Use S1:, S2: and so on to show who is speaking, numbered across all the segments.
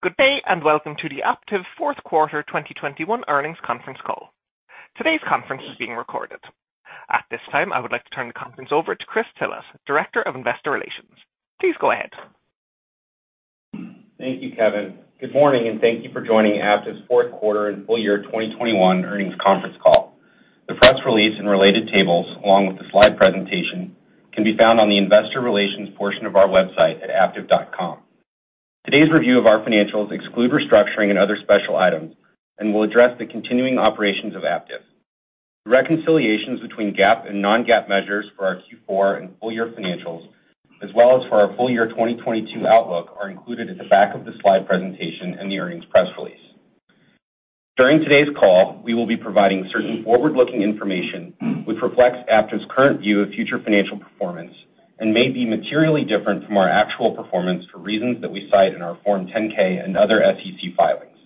S1: Good day, and welcome to the Aptiv fourth quarter 2021 earnings conference call. Today's conference is being recorded. At this time, I would like to turn the conference over to Chris Tillett, Director of Investor Relations. Please go ahead.
S2: Thank you, Kevin. Good morning, and thank you for joining Aptiv's fourth quarter and full year 2021 earnings conference call. The press release and related tables along with the slide presentation can be found on the investor relations portion of our website at aptiv.com. Today's review of our financials exclude restructuring and other special items and will address the continuing operations of Aptiv. The reconciliations between GAAP and non-GAAP measures for our Q4 and full year 2022 outlook are included at the back of the slide presentation in the earnings press release. During today's call, we will be providing certain forward-looking information which reflects Aptiv's current view of future financial performance and may be materially different from our actual performance for reasons that we cite in our Form 10-K and other SEC filings,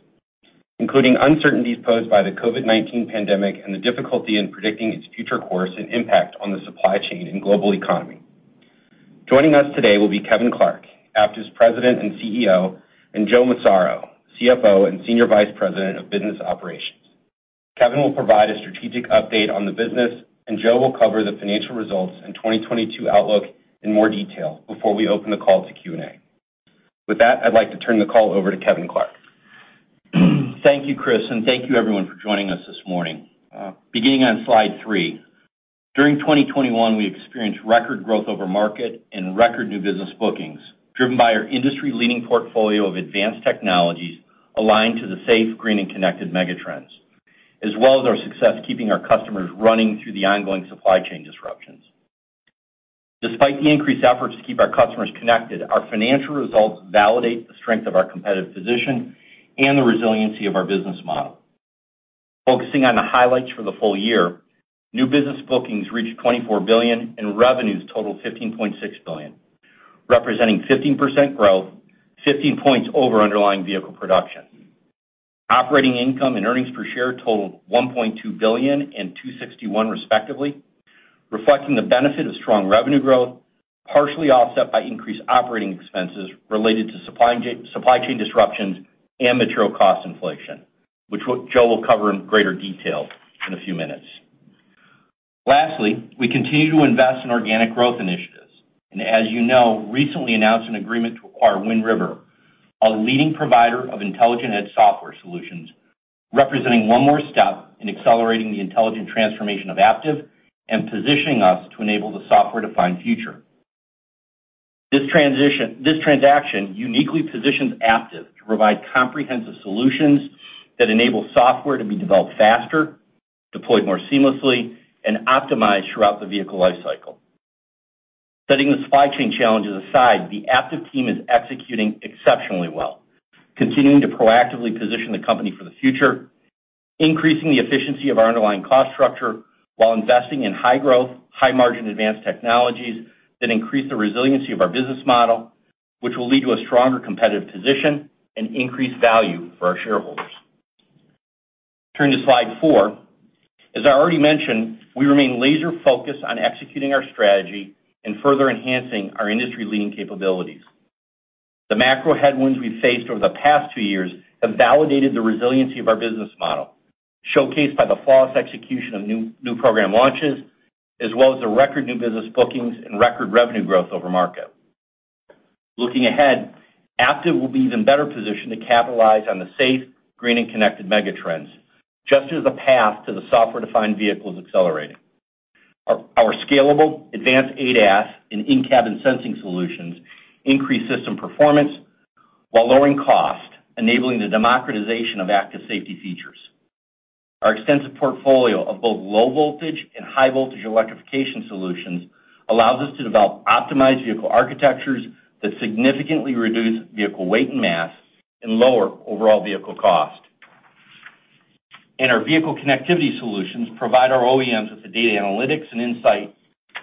S2: including uncertainties posed by the COVID-19 pandemic and the difficulty in predicting its future course and impact on the supply chain and global economy. Joining us today will be Kevin Clark, Aptiv's President and CEO, and Joe Massaro, CFO and Senior Vice President of Business Operations. Kevin will provide a strategic update on the business, and Joe will cover the financial results and 2022 outlook in more detail before we open the call to Q&A. With that, I'd like to turn the call over to Kevin Clark.
S3: Thank you, Chris, and thank you everyone for joining us this morning. Beginning on slide three. During 2021, we experienced record growth over market and record new business bookings, driven by our industry-leading portfolio of advanced technologies aligned to the safe, green, and connected megatrends, as well as our success keeping our customers running through the ongoing supply chain disruptions. Despite the increased efforts to keep our customers connected, our financial results validate the strength of our competitive position and the resiliency of our business model. Focusing on the highlights for the full year, new business bookings reached $24 billion, and revenues totaled $15.6 billion, representing 15% growth, 15 points over underlying vehicle production. Operating income and earnings per share totaled $1.2 billion and $2.61 respectively, reflecting the benefit of strong revenue growth, partially offset by increased operating expenses related to supply chain disruptions and material cost inflation, which Joe will cover in greater detail in a few minutes. Lastly, we continue to invest in organic growth initiatives and as you know, recently announced an agreement to acquire Wind River, a leading provider of intelligent edge software solutions, representing one more step in accelerating the intelligent transformation of Aptiv and positioning us to enable the software-defined future. This transaction uniquely positions Aptiv to provide comprehensive solutions that enable software to be developed faster, deployed more seamlessly, and optimized throughout the vehicle life cycle. Setting the supply chain challenges aside, the Aptiv team is executing exceptionally well, continuing to proactively position the company for the future, increasing the efficiency of our underlying cost structure while investing in high growth, high margin advanced technologies that increase the resiliency of our business model, which will lead to a stronger competitive position and increased value for our shareholders. Turn to slide four. As I already mentioned, we remain laser focused on executing our strategy and further enhancing our industry-leading capabilities. The macro headwinds we've faced over the past two years have validated the resiliency of our business model, showcased by the flawless execution of new program launches, as well as the record new business bookings and record revenue growth over market. Looking ahead, Aptiv will be even better positioned to capitalize on the safe, green, and connected megatrends, just as the path to the software-defined vehicle is accelerating. Our scalable advanced ADAS and in-cabin sensing solutions increase system performance while lowering cost, enabling the democratization of Active Safety features. Our extensive portfolio of both low voltage and high voltage electrification solutions allows us to develop optimized vehicle architectures that significantly reduce vehicle weight and mass and lower overall vehicle cost. Our vehicle connectivity solutions provide our OEMs with the data analytics and insights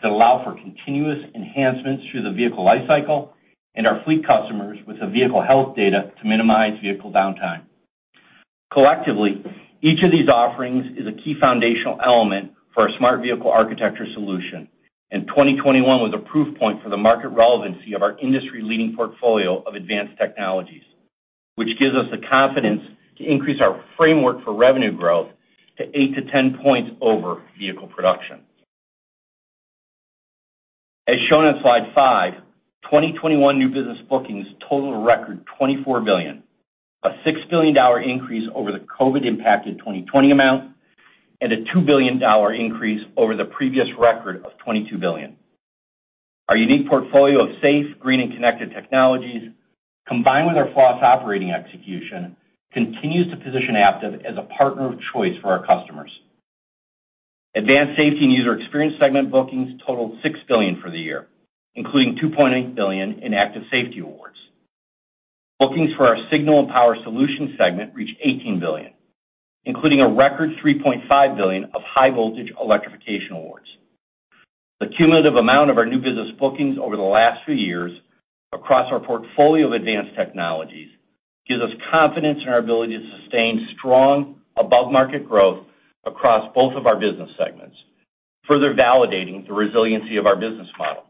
S3: that allow for continuous enhancements through the vehicle life cycle and our fleet customers with the vehicle health data to minimize vehicle downtime. Collectively, each of these offerings is a key foundational element for our Smart Vehicle Architecture solution. 2021 was a proof point for the market relevancy of our industry-leading portfolio of advanced technologies, which gives us the confidence to increase our framework for revenue growth to 8%-10% over vehicle production. As shown on slide five, 2021 new business bookings totaled a record $24 billion, a $6 billion increase over the COVID-impacted 2020 amount and a $2 billion increase over the previous record of $22 billion. Our unique portfolio of safe, green, and connected technologies, combined with our flawless operating execution, continues to position Aptiv as a partner of choice for our customers. Advanced Safety and User Experience segment bookings totaled $6 billion for the year, including $2.8 billion in Active Safety awards. Bookings for our Signal and Power Solutions segment reached $18 billion, including a record $3.5 billion of high voltage electrification awards. The cumulative amount of our new business bookings over the last few years across our portfolio of advanced technologies. Gives us confidence in our ability to sustain strong above-market growth across both of our business segments, further validating the resiliency of our business model.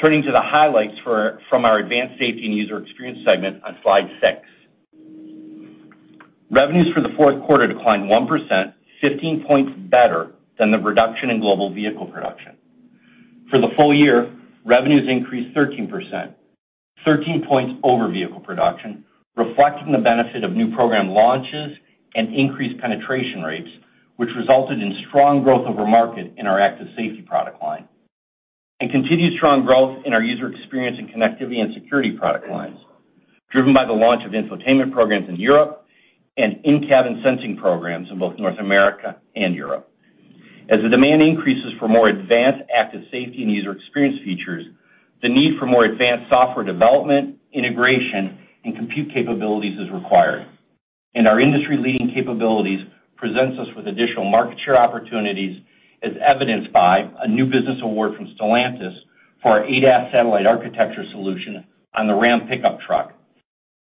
S3: Turning to the highlights from our Advanced Safety and User Experience segment on slide six. Revenues for the fourth quarter declined 1%, 15 points better than the reduction in global vehicle production. For the full year, revenues increased 13%, 13 points over vehicle production, reflecting the benefit of new program launches and increased penetration rates, which resulted in strong growth over market in our Active Safety product line, and continued strong growth in our User Experience and connectivity and security product lines, driven by the launch of infotainment programs in Europe and in-cabin sensing programs in both North America and Europe. As the demand increases for more advanced Active Safety and User Experience features, the need for more advanced software development, integration, and compute capabilities is required. Our industry-leading capabilities presents us with additional market share opportunities, as evidenced by a new business award from Stellantis for our ADAS satellite architecture solution on the Ram pickup truck.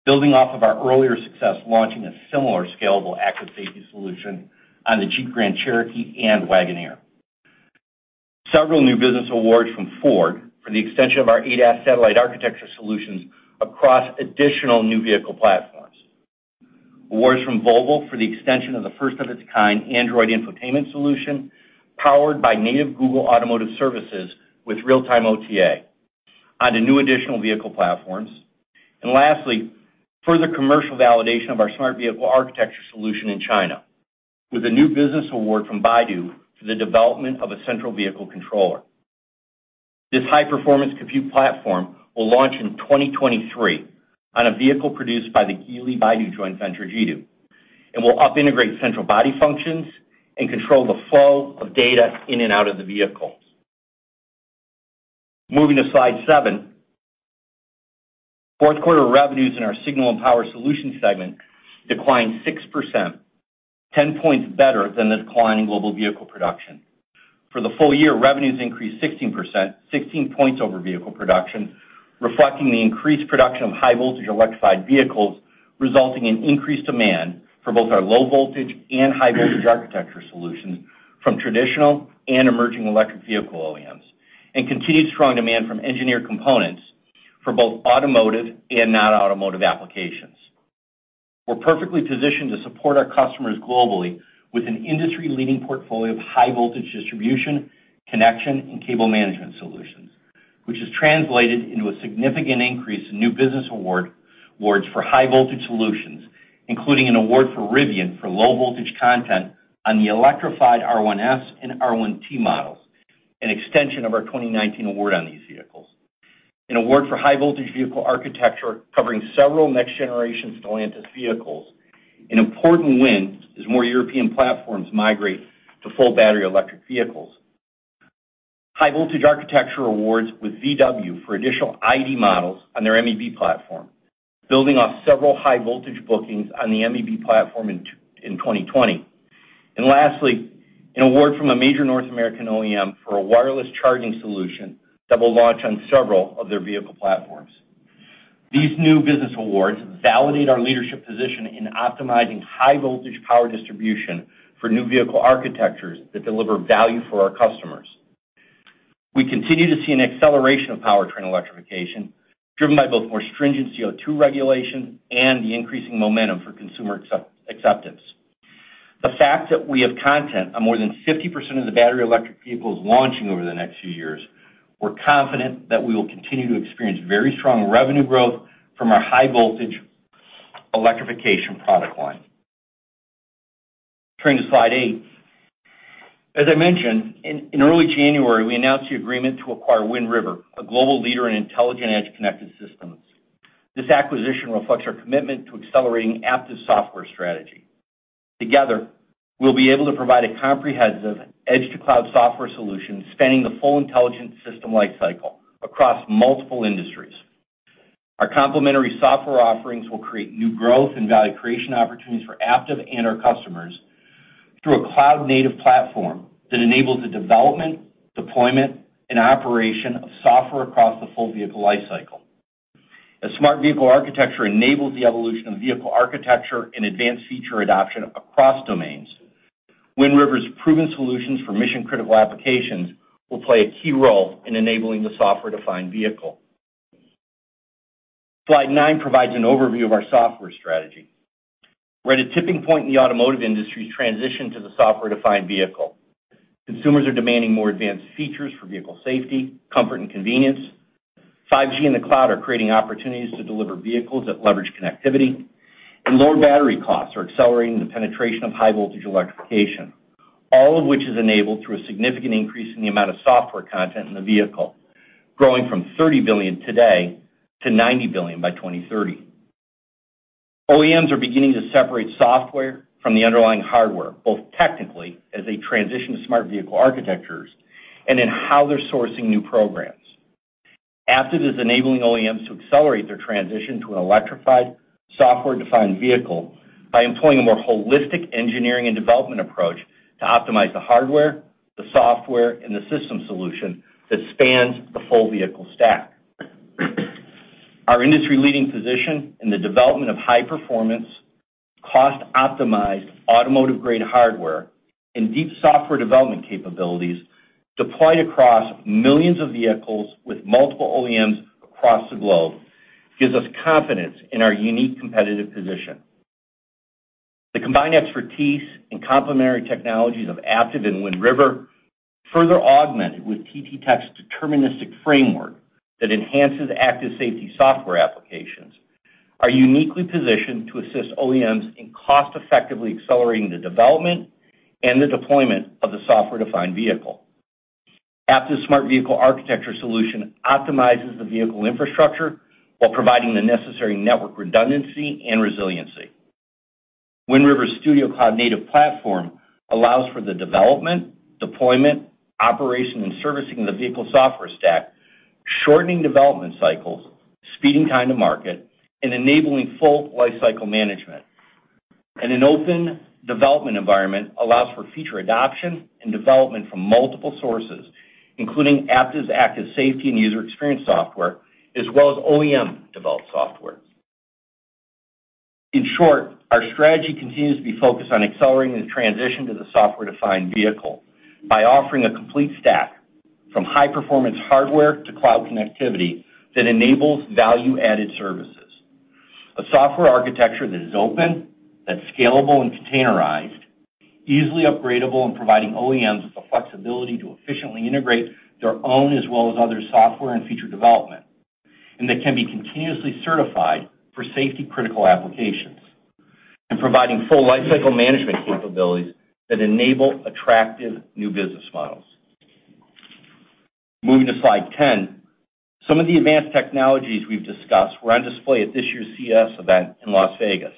S3: Building off of our earlier success launching a similar scalable Active Safety solution on the Jeep Grand Cherokee and Wagoneer. Several new business awards from Ford for the extension of our ADAS satellite architecture solutions across additional new vehicle platforms. Awards from Volvo for the extension of the first of its kind Android infotainment solution, powered by native Google Automotive Services with real-time OTA onto new additional vehicle platforms. Lastly, further commercial validation of our Smart Vehicle Architecture solution in China with a new business award from Baidu for the development of a Central Vehicle Controller. This high-performance compute platform will launch in 2023 on a vehicle produced by the Geely-Baidu joint venture, Jidu, and will integrate central body functions and control the flow of data in and out of the vehicles. Moving to slide seven. Fourth quarter revenues in our Signal and Power Solutions segment declined 6%, 10 points better than the decline in global vehicle production. For the full year, revenues increased 16%, 16 points over vehicle production, reflecting the increased production of high voltage electrified vehicles, resulting in increased demand for both our low voltage and high voltage architecture solutions from traditional and emerging electric vehicle OEMs and continued strong demand from Engineered Components for both automotive and non-automotive applications. We're perfectly positioned to support our customers globally with an industry-leading portfolio of high voltage distribution, connection, and cable management solutions, which has translated into a significant increase in new business awards for high voltage solutions, including an award for Rivian for low voltage content on the electrified R1S and R1T models, an extension of our 2019 award on these vehicles. An award for high voltage vehicle architecture covering several next-generation Stellantis vehicles, an important win as more European platforms migrate to full battery electric vehicles. High voltage architecture awards with VW for additional ID models on their MEB platform, building off several high voltage bookings on the MEB platform in 2020. Lastly, an award from a major North American OEM for a wireless charging solution that will launch on several of their vehicle platforms. These new business awards validate our leadership position in optimizing high voltage power distribution for new vehicle architectures that deliver value for our customers. We continue to see an acceleration of powertrain electrification driven by both more stringent CO2 regulation and the increasing momentum for consumer acceptance. The fact that we have content on more than 50% of the battery electric vehicles launching over the next few years, we're confident that we will continue to experience very strong revenue growth from our high voltage electrification product line. Turning to slide eight. As I mentioned, in early January, we announced the agreement to acquire Wind River, a global leader in intelligent edge connected systems. This acquisition reflects our commitment to accelerating Aptiv's software strategy. Together, we'll be able to provide a comprehensive edge to cloud software solution spanning the full intelligent system lifecycle across multiple industries. Our complementary software offerings will create new growth and value creation opportunities for Aptiv and our customers through a cloud native platform that enables the development, deployment, and operation of software across the full vehicle lifecycle. As Smart Vehicle Architecture enables the evolution of vehicle architecture and advanced feature adoption across domains, Wind River's proven solutions for mission-critical applications will play a key role in enabling the software-defined vehicle. Slide nine provides an overview of our software strategy. We're at a tipping point in the automotive industry's transition to the software-defined vehicle. Consumers are demanding more advanced features for vehicle safety, comfort, and convenience. 5G and the cloud are creating opportunities to deliver vehicles that leverage connectivity. Lower battery costs are accelerating the penetration of high voltage electrification. All of which is enabled through a significant increase in the amount of software content in the vehicle, growing from $30 billion today to $90 billion by 2030. OEMs are beginning to separate software from the underlying hardware, both technically as they transition to Smart Vehicle Architectures and in how they're sourcing new programs. Aptiv is enabling OEMs to accelerate their transition to an electrified, software-defined vehicle by employing a more holistic engineering and development approach to optimize the hardware, the software, and the system solution that spans the full vehicle stack. Our industry-leading position in the development of high performance, cost-optimized automotive-grade hardware, and deep software development capabilities deployed across millions of vehicles with multiple OEMs across the globe, gives us confidence in our unique competitive position. The combined expertise and complementary technologies of Aptiv and Wind River, further augmented with TTTech's deterministic framework that enhances Active Safety software applications, are uniquely positioned to assist OEMs in cost-effectively accelerating the development and the deployment of the software-defined vehicle. Aptiv's Smart Vehicle Architecture solution optimizes the vehicle infrastructure while providing the necessary network redundancy and resiliency. Wind River Studio cloud-native platform allows for the development, deployment, operation, and servicing of the vehicle software stack, shortening development cycles, speeding time to market, and enabling full lifecycle management. An open development environment allows for feature adoption and development from multiple sources, including Aptiv's Active Safety and User Experience software, as well as OEM-developed software. In short, our strategy continues to be focused on accelerating the transition to the software-defined vehicle by offering a complete stack from high-performance hardware to cloud connectivity that enables value-added services. A software architecture that is open, that's scalable and containerized, easily upgradable and providing OEMs with the flexibility to efficiently integrate their own as well as other software and feature development, and that can be continuously certified for safety-critical applications, and providing full lifecycle management capabilities that enable attractive new business models. Moving to slide 10. Some of the advanced technologies we've discussed were on display at this year's CES event in Las Vegas.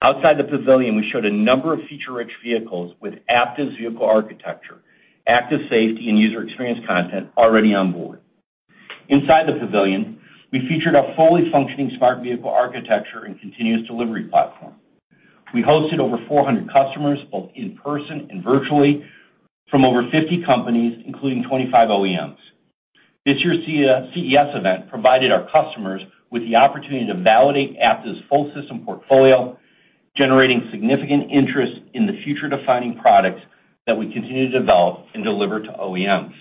S3: Outside the pavilion, we showed a number of feature-rich vehicles with Aptiv's vehicle architecture, Active Safety, and User Experience content already on board. Inside the pavilion, we featured a fully functioning Smart Vehicle Architecture and continuous delivery platform. We hosted over 400 customers, both in person and virtually, from over 50 companies, including 25 OEMs. This year's CES event provided our customers with the opportunity to validate Aptiv's full system portfolio, generating significant interest in the future-defining products that we continue to develop and deliver to OEMs.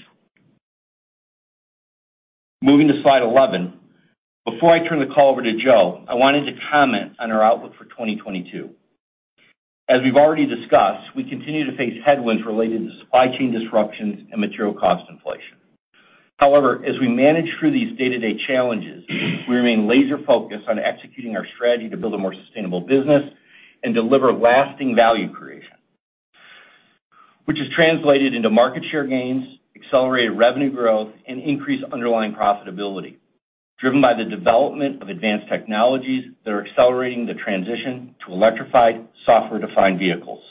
S3: Moving to slide 11. Before I turn the call over to Joe, I wanted to comment on our outlook for 2022. As we've already discussed, we continue to face headwinds related to supply chain disruptions and material cost inflation. However, as we manage through these day-to-day challenges, we remain laser-focused on executing our strategy to build a more sustainable business and deliver lasting value creation, which has translated into market share gains, accelerated revenue growth, and increased underlying profitability, driven by the development of advanced technologies that are accelerating the transition to electrified software-defined vehicles.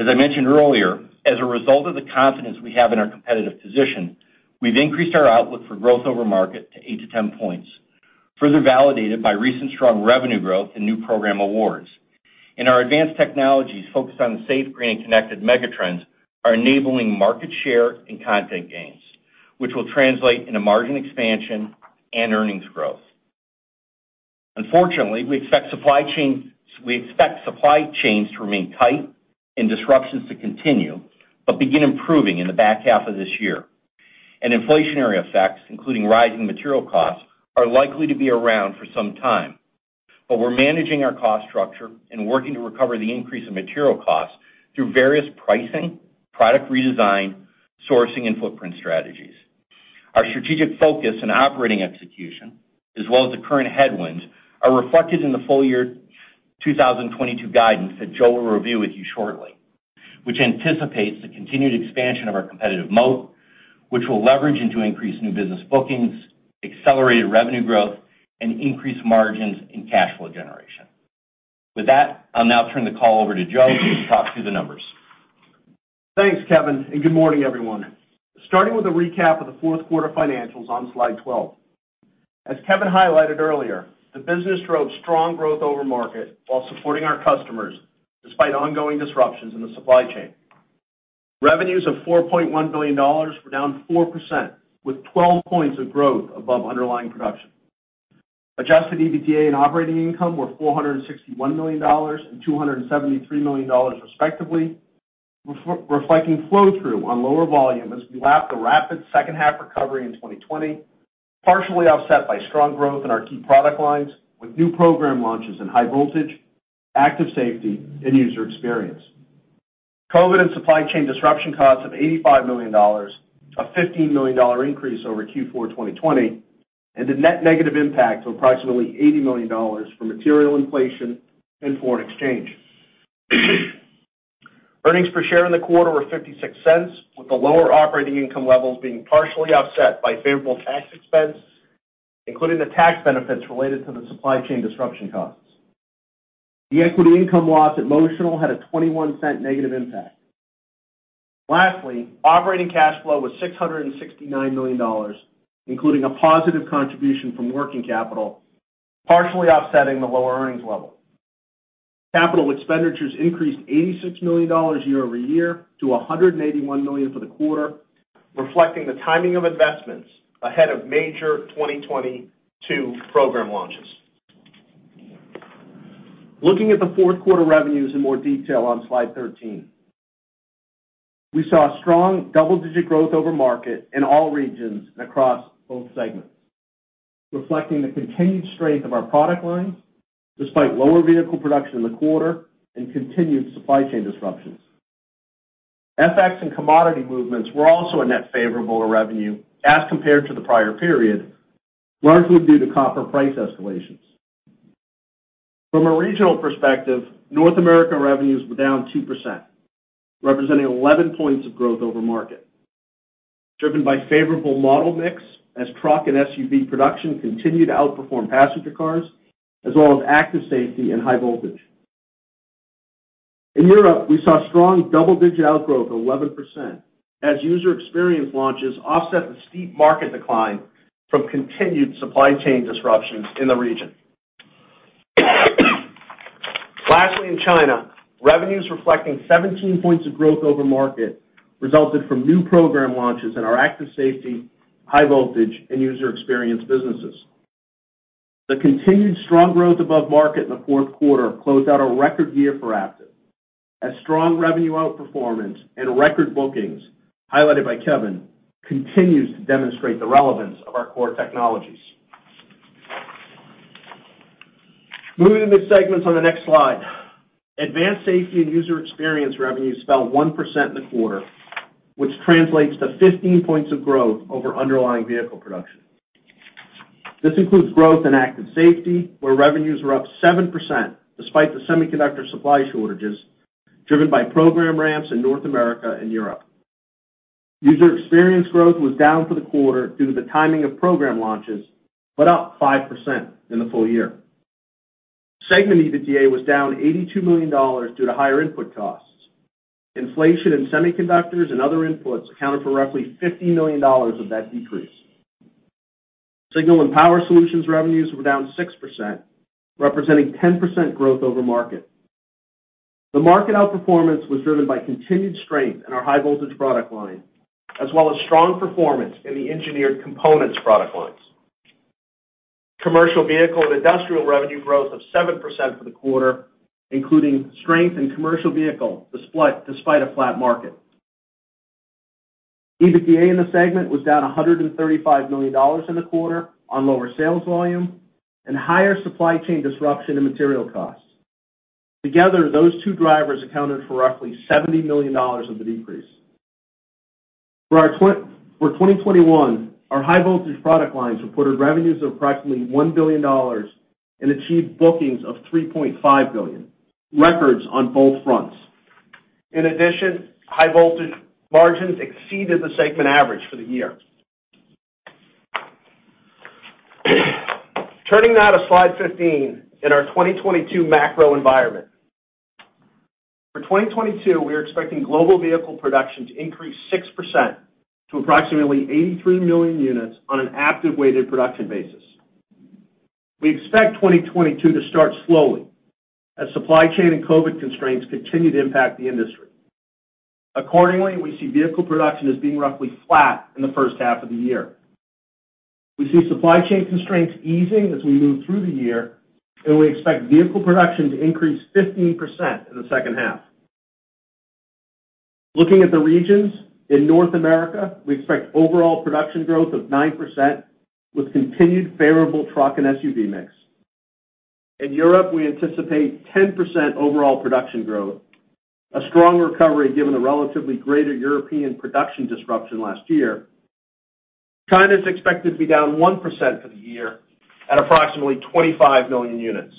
S3: As I mentioned earlier, as a result of the confidence we have in our competitive position, we've increased our outlook for growth over market to 8%-10%, further validated by recent strong revenue growth and new program awards. Our advanced technologies focused on safe, green, and connected megatrends are enabling market share and content gains, which will translate into margin expansion and earnings growth. Unfortunately, we expect supply chains to remain tight and disruptions to continue, but begin improving in the back half of this year. Inflationary effects, including rising material costs, are likely to be around for some time. We're managing our cost structure and working to recover the increase in material costs through various pricing, product redesign, sourcing, and footprint strategies. Our strategic focus and operating execution, as well as the current headwinds, are reflected in the full year 2022 guidance that Joe will review with you shortly, which anticipates the continued expansion of our competitive moat, which we'll leverage into increased new business bookings, accelerated revenue growth, and increased margins in cash flow generation. With that, I'll now turn the call over to Joe to talk through the numbers.
S4: Thanks, Kevin, and good morning, everyone. Starting with a recap of the fourth quarter financials on slide 12. As Kevin highlighted earlier, the business drove strong growth over market while supporting our customers despite ongoing disruptions in the supply chain. Revenues of $4.1 billion were down 4% with 12 points of growth above underlying production. Adjusted EBITDA and operating income were $461 million and $273 million, respectively, reflecting flow-through on lower volume as we lapped the rapid second half recovery in 2020, partially offset by strong growth in our key product lines with new program launches in high voltage, Active Safety, and User Experience. COVID-19 and supply chain disruption costs of $85 million-$15 million increase over Q4 2020, and a net negative impact of approximately $80 million from material inflation and foreign exchange. Earnings per share in the quarter were $0.56, with the lower operating income levels being partially offset by favorable tax expense, including the tax benefits related to the supply chain disruption costs. The equity income loss at Motional had a $0.21 negative impact. Lastly, operating cash flow was $669 million, including a positive contribution from working capital, partially offsetting the lower earnings level. Capital expenditures increased $86 million year-over-year to $181 million for the quarter, reflecting the timing of investments ahead of major 2022 program launches. Looking at the fourth quarter revenues in more detail on slide 13. We saw strong double-digit growth over market in all regions and across both segments, reflecting the continued strength of our product lines despite lower vehicle production in the quarter and continued supply chain disruptions. FX and commodity movements were also a net favorable to revenue as compared to the prior period, largely due to copper price escalations. From a regional perspective, North America revenues were down 2%, representing 11 points of growth over market, driven by favorable model mix as truck and SUV production continued to outperform passenger cars as well as Active Safety and high voltage. In Europe, we saw strong double-digit outgrowth of 11% as User Experience launches offset the steep market decline from continued supply chain disruptions in the region. Lastly, in China, revenues reflecting 17 points of growth over market resulted from new program launches in our Active Safety, high voltage and User Experience businesses. The continued strong growth above market in the fourth quarter closed out a record year for Aptiv as strong revenue outperformance and record bookings, highlighted by Kevin, continues to demonstrate the relevance of our core technologies. Moving to the segments on the next slide. Advanced Safety and User Experience revenues fell 1% in the quarter, which translates to 15 points of growth over underlying vehicle production. This includes growth in Active Safety, where revenues were up 7% despite the semiconductor supply shortages driven by program ramps in North America and Europe. User Experience growth was down for the quarter due to the timing of program launches, but up 5% in the full year. Segment EBITDA was down $82 million due to higher input costs. Inflation in semiconductors and other inputs accounted for roughly $50 million of that decrease. Signal and Power Solutions revenues were down 6%, representing 10% growth over market. The market outperformance was driven by continued strength in our high voltage product line as well as strong performance in the Engineered Components product lines. Commercial vehicle and industrial revenue growth of 7% for the quarter, including strength in commercial vehicle despite a flat market. EBITDA in the segment was down $135 million in the quarter on lower sales volume and higher supply chain disruption and material costs. Together, those two drivers accounted for roughly $70 million of the decrease. For our 2021, our high voltage product lines reported revenues of approximately $1 billion and achieved bookings of $3.5 billion, records on both fronts. In addition, high voltage margins exceeded the segment average for the year. Turning now to slide 15 in our 2022 macro environment. For 2022, we are expecting global vehicle production to increase 6% to approximately 83 million units on an Aptiv weighted production basis. We expect 2022 to start slowly as supply chain and COVID-19 constraints continue to impact the industry. Accordingly, we see vehicle production as being roughly flat in the first half of the year. We see supply chain constraints easing as we move through the year, and we expect vehicle production to increase 15% in the second half. Looking at the regions, in North America, we expect overall production growth of 9% with continued favorable truck and SUV mix. In Europe, we anticipate 10% overall production growth, a strong recovery given the relatively greater European production disruption last year. China is expected to be down 1% for the year at approximately 25 million units.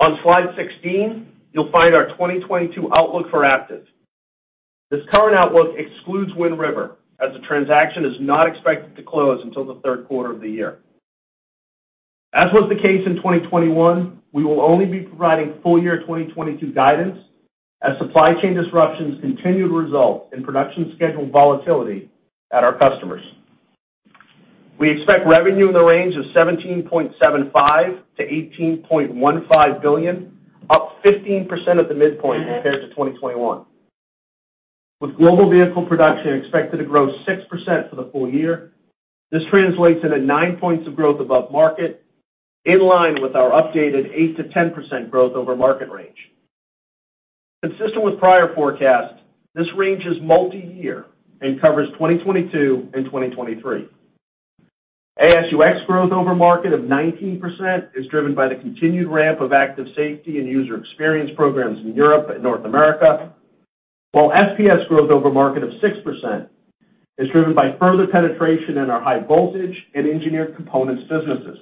S4: On slide 16, you'll find our 2022 outlook for Aptiv. This current outlook excludes Wind River, as the transaction is not expected to close until the third quarter of the year. As was the case in 2021, we will only be providing full year 2022 guidance as supply chain disruptions continue to result in production schedule volatility at our customers. We expect revenue in the range of $17.75 billion-$18.15 billion, up 15% at the midpoint compared to 2021. With global vehicle production expected to grow 6% for the full year, this translates into nine points of growth above market, in line with our updated 8%-10% growth over market range. Consistent with prior forecasts, this range is multi-year and covers 2022 and 2023. ASUX growth over market of 19% is driven by the continued ramp of Active Safety and User Experience programs in Europe and North America, while SPS growth over market of 6% is driven by further penetration in our high voltage and Engineered Components businesses.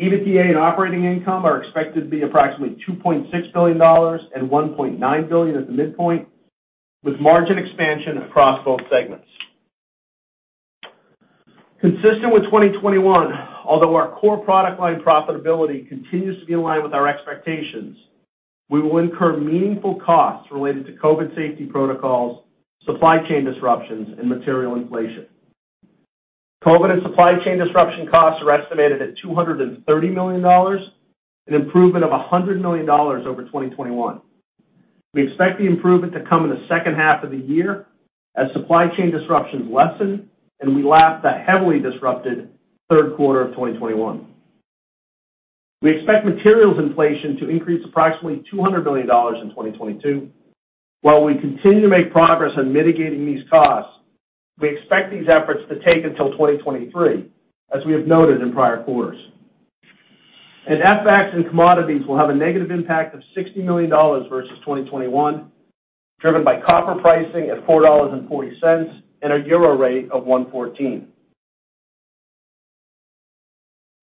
S4: EBITDA and operating income are expected to be approximately $2.6 billion and $1.9 billion at the midpoint, with margin expansion across both segments. Consistent with 2021, although our core product line profitability continues to be in line with our expectations, we will incur meaningful costs related to COVID safety protocols, supply chain disruptions, and material inflation. COVID and supply chain disruption costs are estimated at $230 million, an improvement of $100 million over 2021. We expect the improvement to come in the second half of the year as supply chain disruptions lessen and we lap the heavily disrupted third quarter of 2021. We expect materials inflation to increase approximately $200 million in 2022. While we continue to make progress in mitigating these costs, we expect these efforts to take until 2023, as we have noted in prior quarters. FX and commodities will have a negative impact of $60 million versus 2021, driven by copper pricing at $4.40 and a EUR rate of 1.14.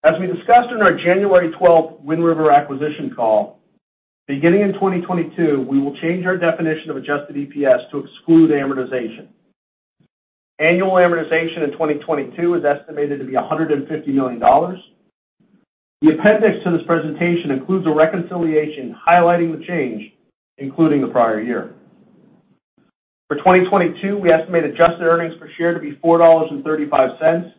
S4: As we discussed in our January 12 Wind River acquisition call, beginning in 2022, we will change our definition of adjusted EPS to exclude amortization. Annual amortization in 2022 is estimated to be $150 million. The appendix to this presentation includes a reconciliation highlighting the change, including the prior year. For 2022, we estimate adjusted earnings per share to be $4.35,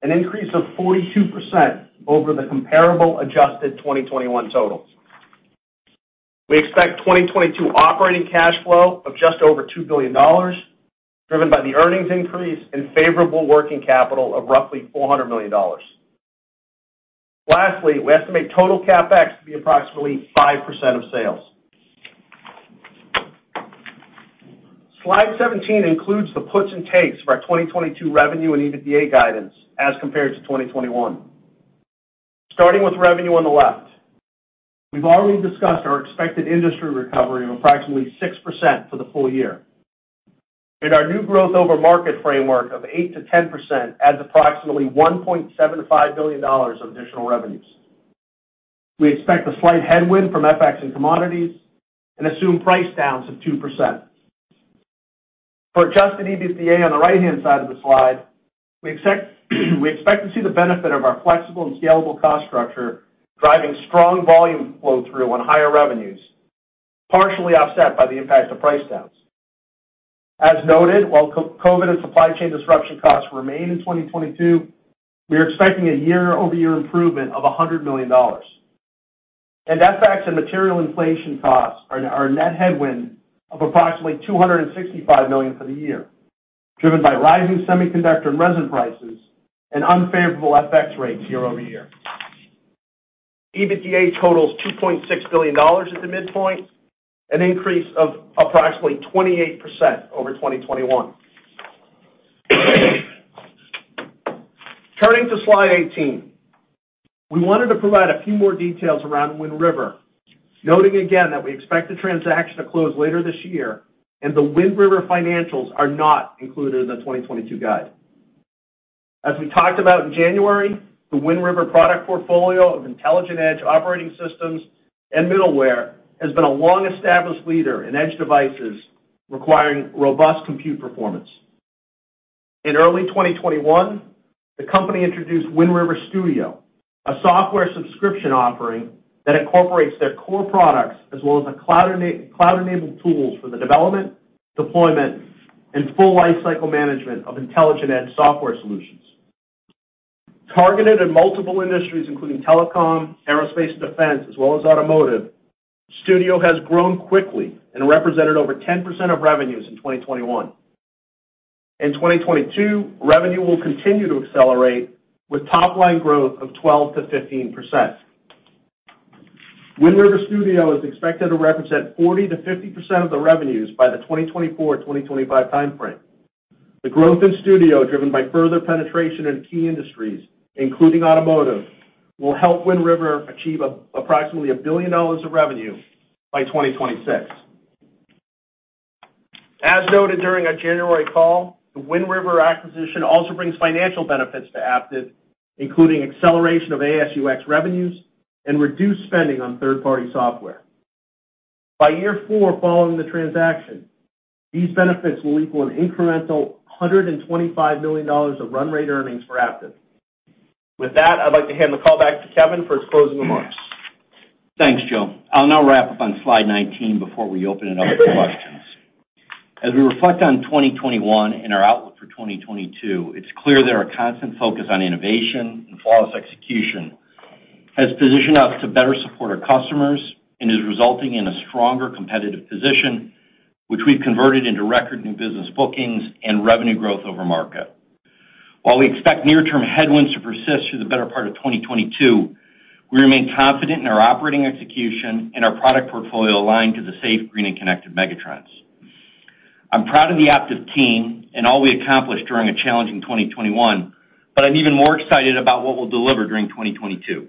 S4: an increase of 42% over the comparable adjusted 2021 totals. We expect 2022 operating cash flow of just over $2 billion, driven by the earnings increase and favorable working capital of roughly $400 million. Lastly, we estimate total CapEx to be approximately 5% of sales. Slide 17 includes the puts and takes for our 2022 revenue and EBITDA guidance as compared to 2021. Starting with revenue on the left, we've already discussed our expected industry recovery of approximately 6% for the full year. Our new growth over market framework of 8%-10% adds approximately $1.75 billion of additional revenues. We expect a slight headwind from FX and commodities and assume price downs of 2%. For Adjusted EBITDA on the right-hand side of the slide, we expect to see the benefit of our flexible and scalable cost structure driving strong volume flow through on higher revenues, partially offset by the impact of price downs. As noted, while COVID-19 and supply chain disruption costs remain in 2022, we are expecting a year-over-year improvement of $100 million. FX and material inflation costs are a net headwind of approximately $265 million for the year, driven by rising semiconductor and resin prices and unfavorable FX rates year over year. EBITDA totals $2.6 billion at the midpoint, an increase of approximately 28% over 2021. Turning to slide 18. We wanted to provide a few more details around Wind River, noting again that we expect the transaction to close later this year and the Wind River financials are not included in the 2022 guide. As we talked about in January, the Wind River product portfolio of intelligent edge operating systems and middleware has been a long-established leader in edge devices requiring robust compute performance. In early 2021, the company introduced Wind River Studio, a software subscription offering that incorporates their core products as well as cloud-enabled tools for the development, deployment, and full lifecycle management of intelligent edge software solutions. Targeted in multiple industries including telecom, aerospace and defense, as well as automotive, Studio has grown quickly and represented over 10% of revenues in 2021. In 2022, revenue will continue to accelerate with top line growth of 12%-15%. Wind River Studio is expected to represent 40%-50% of the revenues by the 2024-2025 timeframe. The growth in Studio, driven by further penetration in key industries, including automotive, will help Wind River achieve approximately $1 billion of revenue by 2026. As noted during our January call, the Wind River acquisition also brings financial benefits to Aptiv, including acceleration of ASUX revenues and reduced spending on third-party software. By year four following the transaction, these benefits will equal an incremental $125 million of run rate earnings for Aptiv. With that, I'd like to hand the call back to Kevin for his closing remarks.
S3: Thanks, Joe. I'll now wrap up on slide 19 before we open it up for questions. As we reflect on 2021 and our outlook for 2022, it's clear that our constant focus on innovation and flawless execution has positioned us to better support our customers and is resulting in a stronger competitive position, which we've converted into record new business bookings and revenue growth over market. While we expect near-term headwinds to persist through the better part of 2022, we remain confident in our operating execution and our product portfolio aligned to the safe, green, and connected megatrends. I'm proud of the Aptiv team and all we accomplished during a challenging 2021, but I'm even more excited about what we'll deliver during 2022.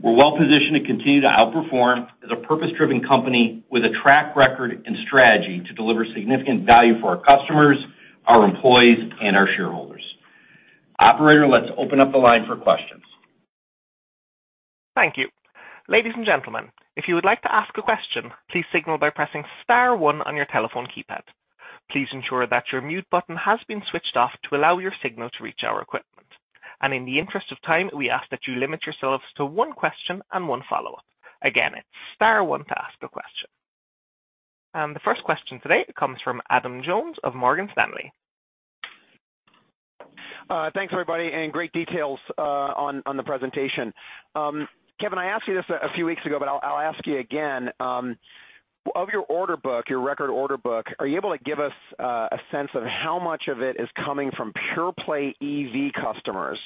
S3: We're well positioned to continue to outperform as a purpose-driven company with a track record and strategy to deliver significant value for our customers, our employees, and our shareholders. Operator, let's open up the line for questions.
S1: Thank you. Ladies and gentlemen, if you would like to ask a question, please signal by pressing star one on your telephone keypad. Please ensure that your mute button has been switched off to allow your signal to reach our equipment. In the interest of time, we ask that you limit yourselves to one question and one follow-up. Again, it's star one to ask a question. The first question today comes from Adam Jonas of Morgan Stanley.
S5: Thanks everybody, and great details on the presentation. Kevin, I asked you this a few weeks ago, but I'll ask you again. Of your order book, your record order book, are you able to give us a sense of how much of it is coming from pure play EV customers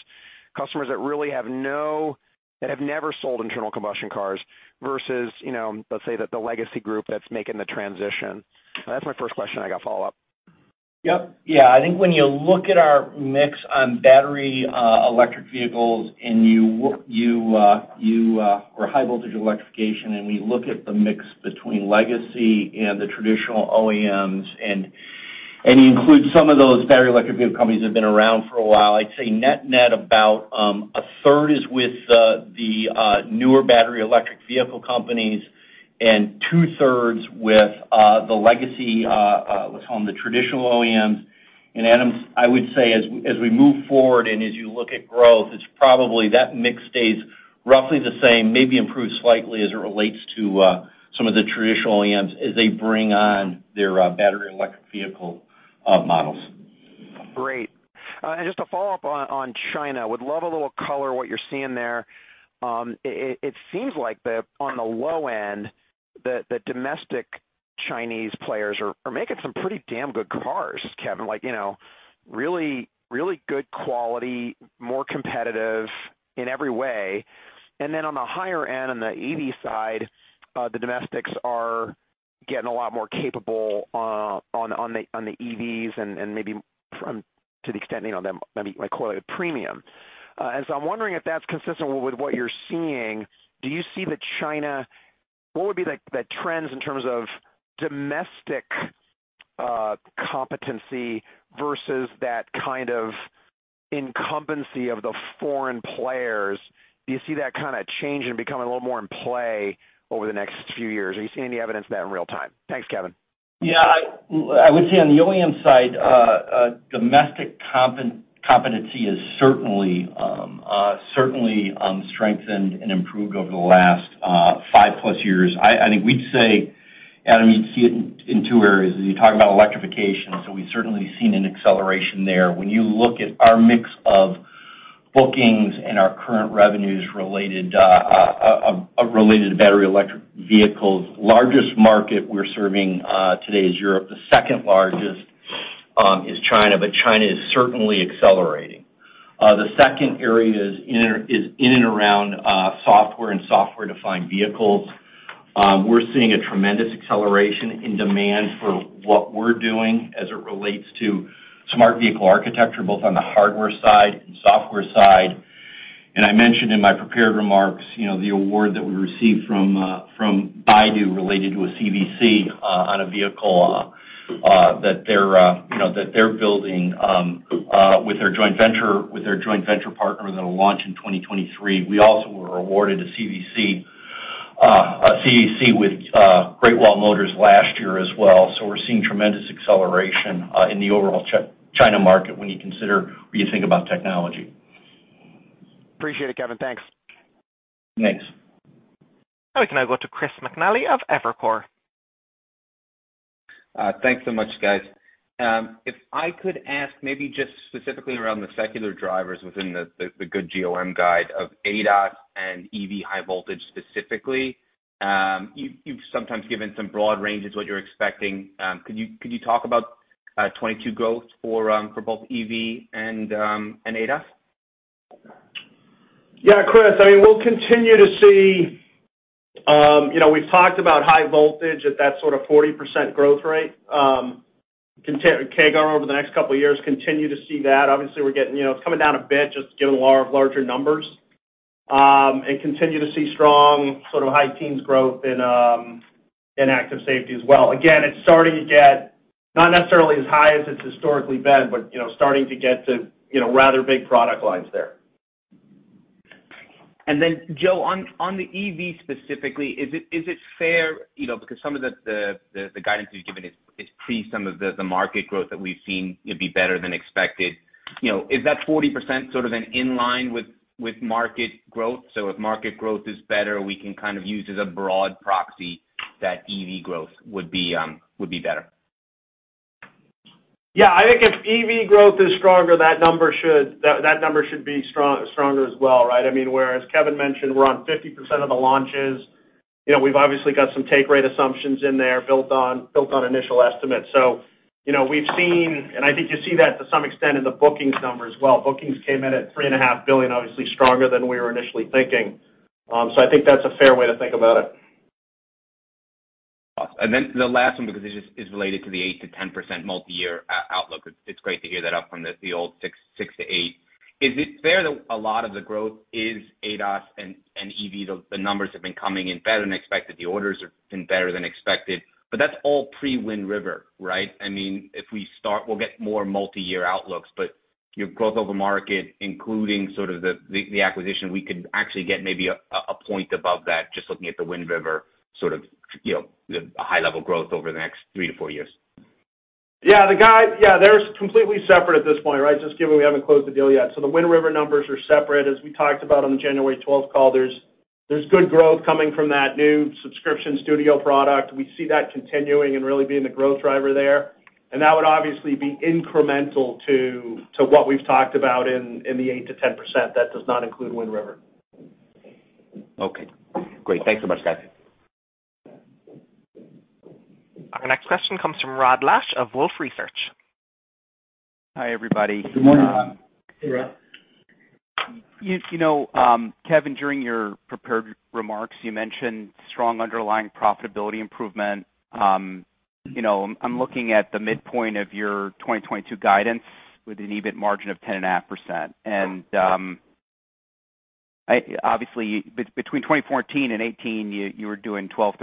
S5: that really have never sold internal combustion cars versus, you know, let's say that the legacy group that's making the transition? That's my first question. I got follow-up.
S3: I think when you look at our mix on battery electric vehicles or high voltage electrification, and we look at the mix between legacy and the traditional OEMs and you include some of those battery electric vehicle companies that have been around for a while, I'd say net net about a third is with the newer battery electric vehicle companies and two-thirds with the legacy what's called the traditional OEMs. Adam, I would say as we move forward and as you look at growth, it's probably that mix stays roughly the same, maybe improves slightly as it relates to some of the traditional OEMs as they bring on their battery electric vehicle models.
S5: Great. Just to follow up on China, would love a little color what you're seeing there. It seems like on the low end, the domestic Chinese players are making some pretty damn good cars, Kevin. Like, you know, really good quality, more competitive in every way. Then on the higher end, on the EV side, the domestics are getting a lot more capable on the EVs and maybe to the extent, you know, they might call it a premium. As I'm wondering if that's consistent with what you're seeing, do you see that China. What would be the trends in terms of domestic competency versus that kind of incumbency of the foreign players? Do you see that kinda changing and becoming a little more in play over the next few years? Are you seeing any evidence of that in real-time? Thanks, Kevin.
S3: Yeah. I would say on the OEM side, domestic competency is certainly strengthened and improved over the last five-plus years. I think we'd say, Adam, you'd see it in two areas. You talk about electrification, so we've certainly seen an acceleration there. When you look at our mix of bookings and our current revenues related to battery electric vehicles, largest market we're serving today is Europe, the second largest is China, but China is certainly accelerating. The second area is in and around software and software-defined vehicles. We're seeing a tremendous acceleration in demand for what we're doing as it relates to Smart Vehicle Architecture, both on the hardware side and software side. I mentioned in my prepared remarks, you know, the award that we received from Baidu related to a CVC on a vehicle that they're building with their joint venture partner that'll launch in 2023. We also were awarded a CVC with Great Wall Motors last year as well. We're seeing tremendous acceleration in the overall China market when you think about technology.
S5: Appreciate it, Kevin. Thanks.
S3: Thanks.
S1: We can now go to Chris McNally of Evercore.
S6: Thanks so much, guys. If I could ask maybe just specifically around the secular drivers within the good GOM guide of ADAS and EV high voltage specifically, you've sometimes given some broad ranges what you're expecting. Could you talk about 2022 growth for both EV and ADAS?
S4: Yeah, Chris, I mean, we'll continue to see, you know, we've talked about high voltage at that sort of 40% growth rate, CAGR over the next couple of years, continue to see that. Obviously, we're getting, you know, it's coming down a bit just getting to larger numbers. Continue to see strong sort of high-teens growth in Active Safety as well. Again, it's starting to get not necessarily as high as it's historically been, but you know, starting to get to, you know, rather big product lines there.
S6: Then Joe, on the EV specifically, is it fair, you know, because some of the guidance you've given is pre some of the market growth that we've seen, it'd be better than expected. You know, is that 40% sort of an inline with market growth? So if market growth is better, we can kind of use as a broad proxy that EV growth would be better.
S4: Yeah. I think if EV growth is stronger, that number should be stronger as well, right? I mean, whereas Kevin mentioned we're on 50% of the launches. You know, we've obviously got some take rate assumptions in there built on initial estimates. You know, we've seen, and I think you see that to some extent in the bookings numbers. Well, bookings came in at $3.5 billion, obviously stronger than we were initially thinking. I think that's a fair way to think about it.
S6: Then the last one, because it's just is related to the 8%-10% multi-year outlook. It's great to hear that up from the old 6%-8%. Is it fair that a lot of the growth is ADAS and EV, the numbers have been coming in better than expected, the orders have been better than expected, but that's all pre-Wind River, right? I mean, we'll get more multi-year outlooks, but your growth over market, including sort of the acquisition, we could actually get maybe a point above that just looking at the Wind River sort of, you know, the high level growth over the next three to four years.
S3: Yeah, they're completely separate at this point, right? Just given we haven't closed the deal yet. The Wind River numbers are separate. As we talked about on the January twelfth call, there's good growth coming from that new subscription studio product. We see that continuing and really being the growth driver there. That would obviously be incremental to what we've talked about in the 8%-10%. That does not include Wind River.
S6: Okay, great. Thanks so much, guys.
S1: Our next question comes from Rod Lache of Wolfe Research.
S7: Hi, everybody.
S3: Good morning.
S4: Hey, Rod.
S7: You know, Kevin, during your prepared remarks, you mentioned strong underlying profitability improvement. You know, I'm looking at the midpoint of your 2022 guidance with an EBIT margin of 10.5%. Obviously, between 2014 and 2018, you were doing 12%,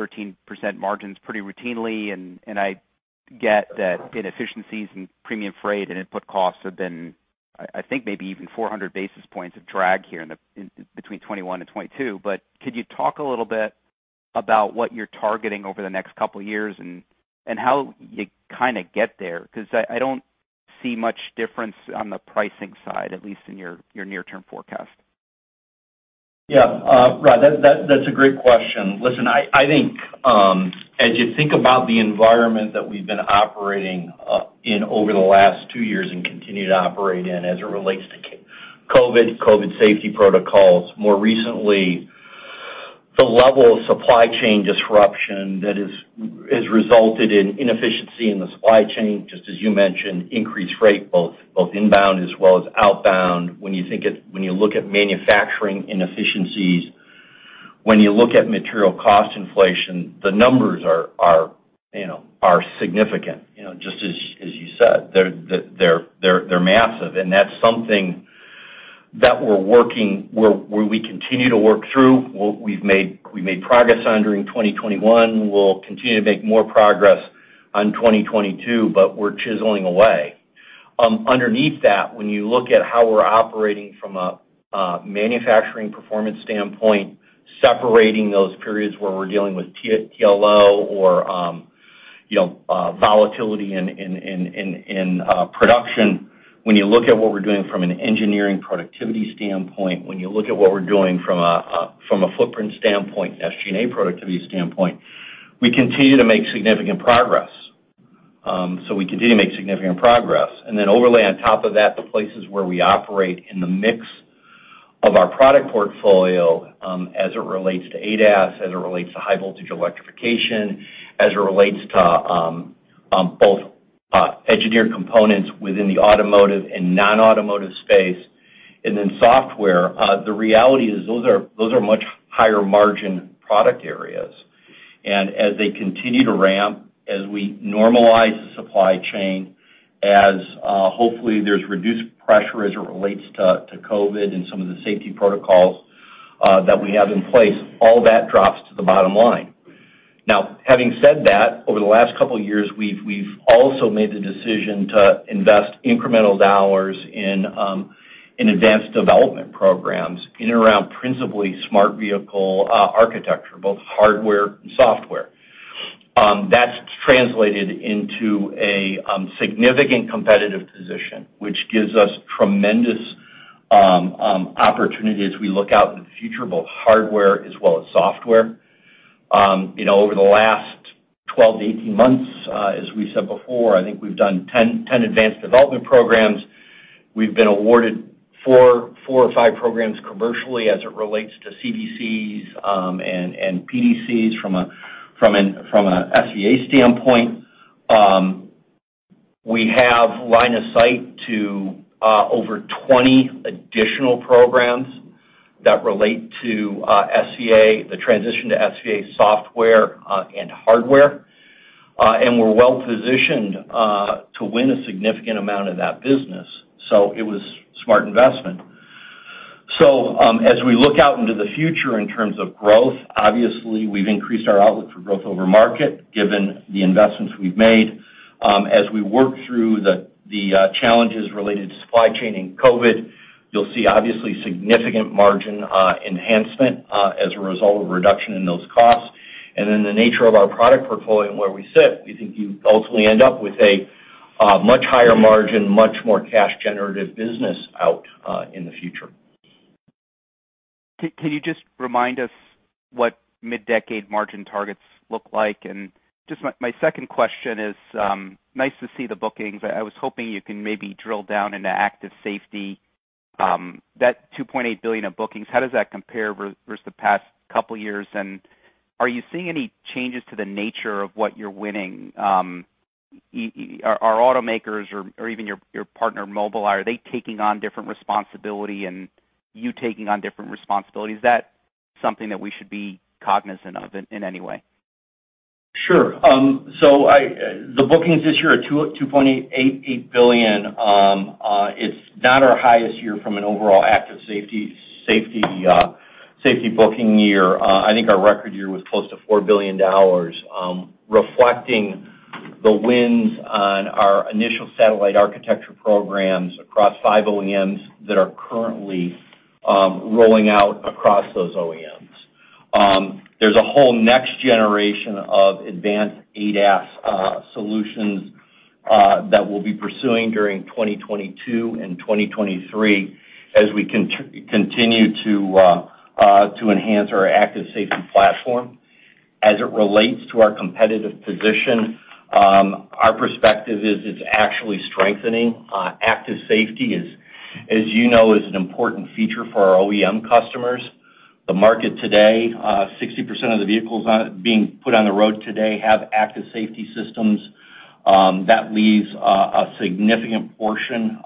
S7: 13% margins pretty routinely, and I get that inefficiencies in premium freight and input costs have been, I think maybe even 400 basis points of drag here between 2021 and 2022. Could you talk a little bit about what you're targeting over the next couple years and how you kinda get there? 'Cause I don't see much difference on the pricing side, at least in your near-term forecast.
S3: Yeah. Rod, that's a great question. Listen, I think as you think about the environment that we've been operating in over the last two years and continue to operate in as it relates to COVID safety protocols, more recently the level of supply chain disruption that has resulted in inefficiency in the supply chain, just as you mentioned, increased rates both inbound as well as outbound. When you look at manufacturing inefficiencies, when you look at material cost inflation, the numbers are, you know, significant. You know, just as you said, they're massive, and that's something where we continue to work through. We've made progress in 2021. We'll continue to make more progress in 2022, but we're chiseling away. Underneath that, when you look at how we're operating from a manufacturing performance standpoint, separating those periods where we're dealing with TLO or volatility in production. When you look at what we're doing from an engineering productivity standpoint, when you look at what we're doing from a footprint standpoint, SG&A productivity standpoint, we continue to make significant progress. Then overlay on top of that, the places where we operate in the mix of our product portfolio, as it relates to ADAS, as it relates to high voltage electrification, as it relates to both engineered components within the automotive and non-automotive space, and then software, the reality is those are much higher margin product areas. As they continue to ramp, as we normalize the supply chain, as hopefully there's reduced pressure as it relates to COVID and some of the safety protocols that we have in place, all that drops to the bottom line. Now, having said that, over the last couple years, we've also made the decision to invest incremental dollars in advanced development programs in and around principally Smart Vehicle Architecture, both hardware and software. That's translated into a significant competitive position, which gives us tremendous opportunity as we look out in the future, both hardware as well as software. You know, over the last 12-18 months, as we said before, I think we've done 10 advanced development programs. We've been awarded four or five programs commercially as it relates to CDCs, and PDCs from a SVA standpoint. We have line of sight to over 20 additional programs that relate to SVA, the transition to SVA software, and hardware, and we're well-positioned to win a significant amount of that business. It was smart investment. As we look out into the future in terms of growth, obviously, we've increased our outlook for growth over market given the investments we've made. As we work through the challenges related to supply chain and COVID, you'll see obviously significant margin enhancement as a result of reduction in those costs. The nature of our product portfolio and where we sit, we think you ultimately end up with a much higher margin, much more cash generative business out in the future.
S7: Can you just remind us what mid-decade margin targets look like? Just my second question is, nice to see the bookings. I was hoping you can maybe drill down into Active Safety. That $2.8 billion of bookings, how does that compare versus the past couple years? Are you seeing any changes to the nature of what you're winning? Are automakers or even your partner Mobileye taking on different responsibility and you taking on different responsibilities? Is that something that we should be cognizant of in any way?
S3: Sure. The bookings this year are $2.8 billion. It's not our highest year from an overall Active Safety booking year. I think our record year was close to $4 billion, reflecting the wins on our initial satellite architecture programs across five OEMs that are currently rolling out across those OEMs. There's a whole next generation of advanced ADAS solutions that we'll be pursuing during 2022 and 2023 as we continue to enhance our Active Safety platform. As it relates to our competitive position, our perspective is it's actually strengthening. Active Safety is, as you know, an important feature for our OEM customers. The market today, 60% of the vehicles being put on the road today have Active Safety systems. That leaves a significant portion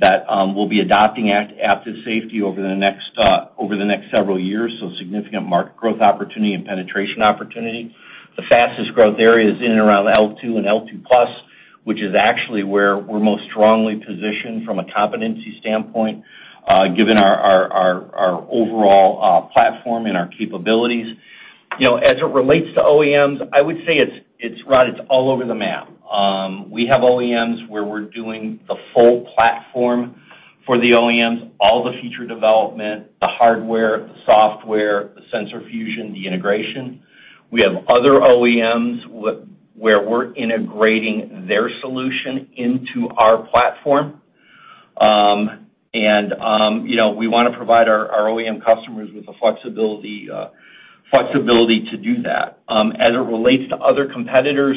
S3: that we'll be adopting Active Safety over the next several years, so significant market growth opportunity and penetration opportunity. The fastest growth area is in and around L2 and L2+, which is actually where we're most strongly positioned from a competency standpoint, given our overall platform and our capabilities. You know, as it relates to OEMs, I would say it's Rod, it's all over the map. We have OEMs where we're doing the full platform for the OEMs, all the feature development, the hardware, the software, the sensor fusion, the integration. We have other OEMs where we're integrating their solution into our platform. You know, we wanna provide our OEM customers with the flexibility to do that. As it relates to other competitors,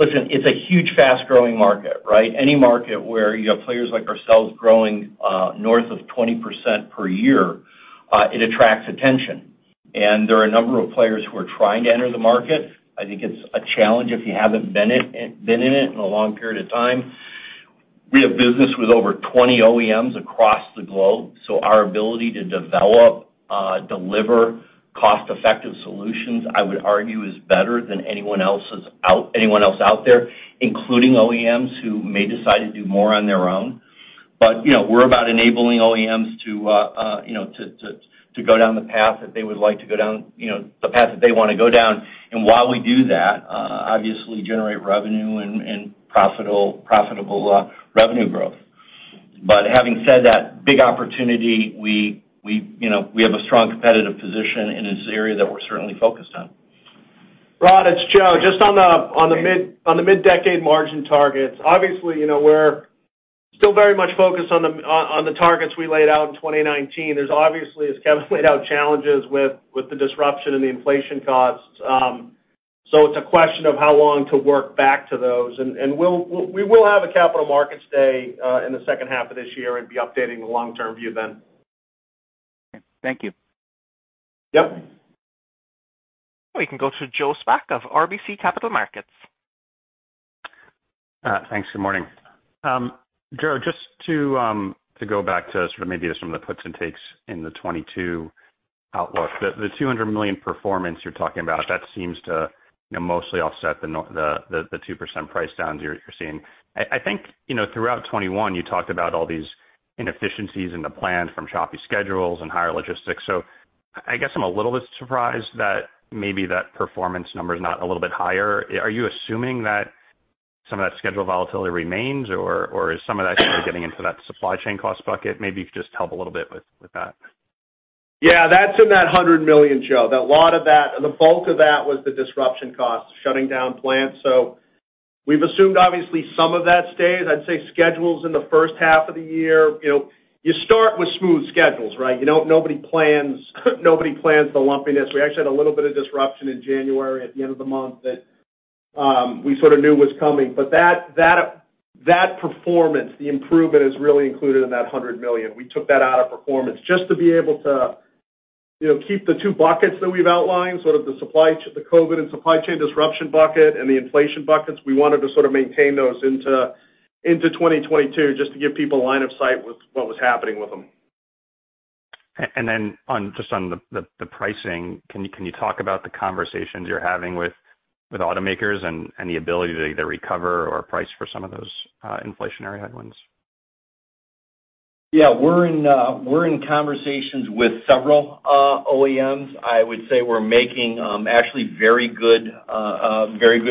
S3: listen, it's a huge, fast-growing market, right? Any market where you have players like ourselves growing north of 20% per year, it attracts attention. There are a number of players who are trying to enter the market. I think it's a challenge if you haven't been in it in a long period of time. We have business with over 20 OEMs across the globe, so our ability to develop, deliver cost-effective solutions, I would argue, is better than anyone else out there, including OEMs who may decide to do more on their own. You know, we're about enabling OEMs to you know, go down the path that they would like to go down, you know, the path that they wanna go down. While we do that, we obviously generate revenue and profitable revenue growth. Having said that, big opportunity. You know, we have a strong competitive position, and this is an area that we're certainly focused on.
S4: Rod, it's Joe. Just on the mid-decade margin targets. Obviously, you know, we're still very much focused on the targets we laid out in 2019. There's obviously, as Kevin laid out, challenges with the disruption and the inflation costs. So it's a question of how long to work back to those. We'll have a Capital Markets Day in the second half of this year and be updating the long-term view then.
S7: Thank you.
S4: Yep.
S1: We can go to Joseph Spak of RBC Capital Markets.
S8: Thanks. Good morning. Joe, just to go back to sort of maybe some of the puts and takes in the 2022 outlook. The $200 million performance you're talking about, that seems to, you know, mostly offset the 2% price downs you're seeing. I think, you know, throughout 2021, you talked about all these inefficiencies in the plan from choppy schedules and higher logistics. I guess I'm a little bit surprised that maybe that performance number is not a little bit higher. Are you assuming that some of that schedule volatility remains, or is some of that sort of getting into that supply chain cost bucket? Maybe you could just help a little bit with that.
S4: Yeah, that's in that $100 million, Joe. That's a lot of that, the bulk of that was the disruption costs, shutting down plants. We've assumed, obviously, some of that stays. I'd say schedules in the first half of the year, you know, you start with smooth schedules, right? You know, nobody plans the lumpiness. We actually had a little bit of disruption in January at the end of the month that we sort of knew was coming. That performance, the improvement is really included in that $100 million. We took that out of performance just to be able to, you know, keep the two buckets that we've outlined, sort of the supply chain disruption bucket and the inflation buckets. We wanted to sort of maintain those into 2022 just to give people a line of sight with what was happening with them.
S8: Just on the pricing, can you talk about the conversations you're having with automakers and the ability to either recover or price for some of those inflationary headwinds?
S3: Yeah. We're in conversations with several OEMs. I would say we're making actually very good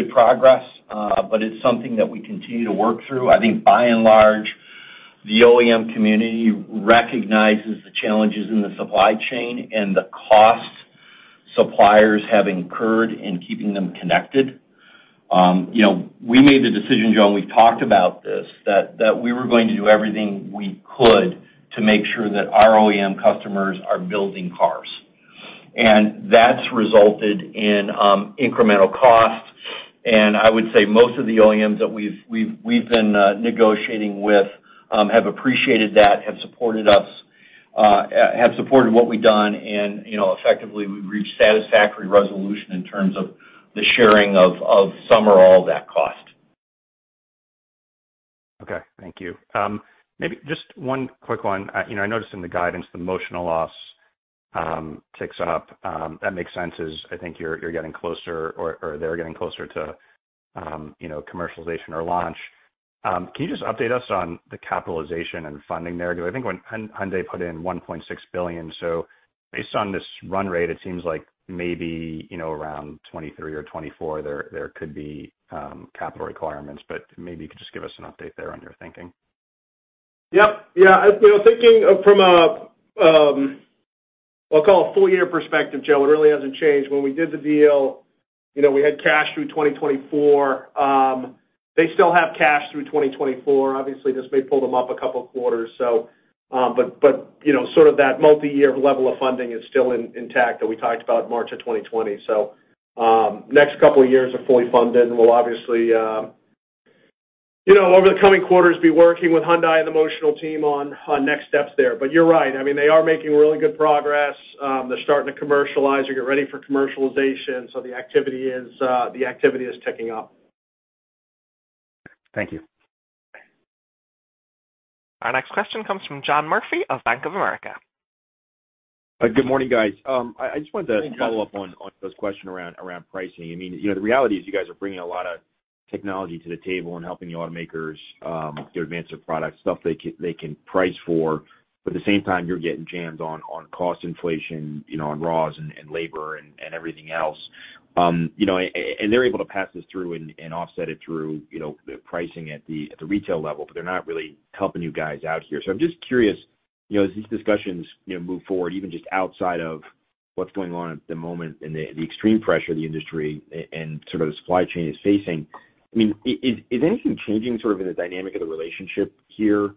S3: progress. It's something that we continue to work through. I think by and large, the OEM community recognizes the challenges in the supply chain and the cost suppliers have incurred in keeping them connected. You know, we made the decision, Joe, and we've talked about this, that we were going to do everything we could to make sure that our OEM customers are building cars. That's resulted in incremental costs. I would say most of the OEMs that we've been negotiating with have appreciated that, have supported us, have supported what we've done. You know, effectively, we've reached satisfactory resolution in terms of the sharing of some or all of that cost.
S8: Okay. Thank you. Maybe just one quick one. You know, I noticed in the guidance the Motional loss ticks up. That makes sense as I think you're getting closer or they're getting closer to you know commercialization or launch. Can you just update us on the capitalization and funding there? Because I think when Hyundai put in $1.6 billion. So based on this run rate, it seems like maybe you know around 2023 or 2024 there could be capital requirements, but maybe you could just give us an update there on your thinking.
S4: Yep. Yeah. You know, thinking from a full year perspective, Joe, it really hasn't changed. When we did the deal, you know, we had cash through 2024. They still have cash through 2024. Obviously, this may pull them up a couple of quarters. You know, sort of that multi-year level of funding is still intact that we talked about March 2020. Next couple of years are fully funded. We'll obviously, you know, over the coming quarters, be working with Hyundai and the Motional team on next steps there. You're right. I mean, they are making really good progress. They're starting to commercialize or get ready for commercialization. The activity is ticking up.
S8: Thank you.
S1: Our next question comes from John Murphy of Bank of America.
S9: Good morning, guys. I just wanted to.
S4: Hey, John.
S9: Follow up on Joe's question around pricing. I mean, you know, the reality is you guys are bringing a lot of technology to the table and helping the automakers to advance their products, stuff they can price for, but at the same time, you're getting jammed on cost inflation, you know, on raws and labor and everything else. You know, and they're able to pass this through and offset it through, you know, the pricing at the retail level, but they're not really helping you guys out here. I'm just curious, you know, as these discussions, you know, move forward, even just outside of what's going on at the moment and the extreme pressure the industry and sort of the supply chain is facing. I mean, is anything changing sort of in the dynamic of the relationship here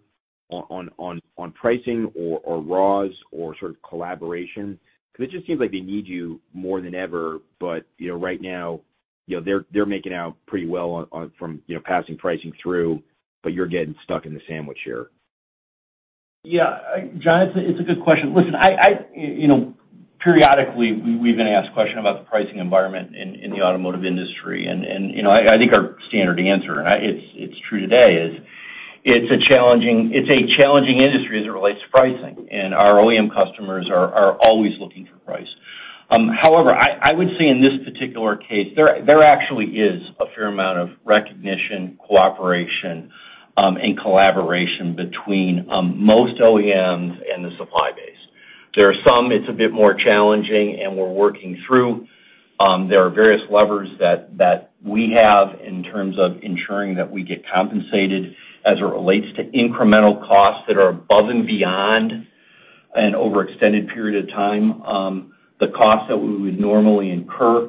S9: on pricing or raws or sort of collaboration? Because it just seems like they need you more than ever. You know, right now, you know, they're making out pretty well on from, you know, passing pricing through, but you're getting stuck in the sandwich here.
S3: Yeah. John, it's a good question. Listen, you know, periodically we've been asked a question about the pricing environment in the automotive industry. You know, I think our standard answer, it's true today, is it's a challenging industry as it relates to pricing, and our OEM customers are always looking for price. However, I would say in this particular case, there actually is a fair amount of recognition, cooperation, and collaboration between most OEMs and the supply base. There are some. It's a bit more challenging and we're working through. There are various levers that we have in terms of ensuring that we get compensated as it relates to incremental costs that are above and beyond an overextended period of time, the cost that we would normally incur.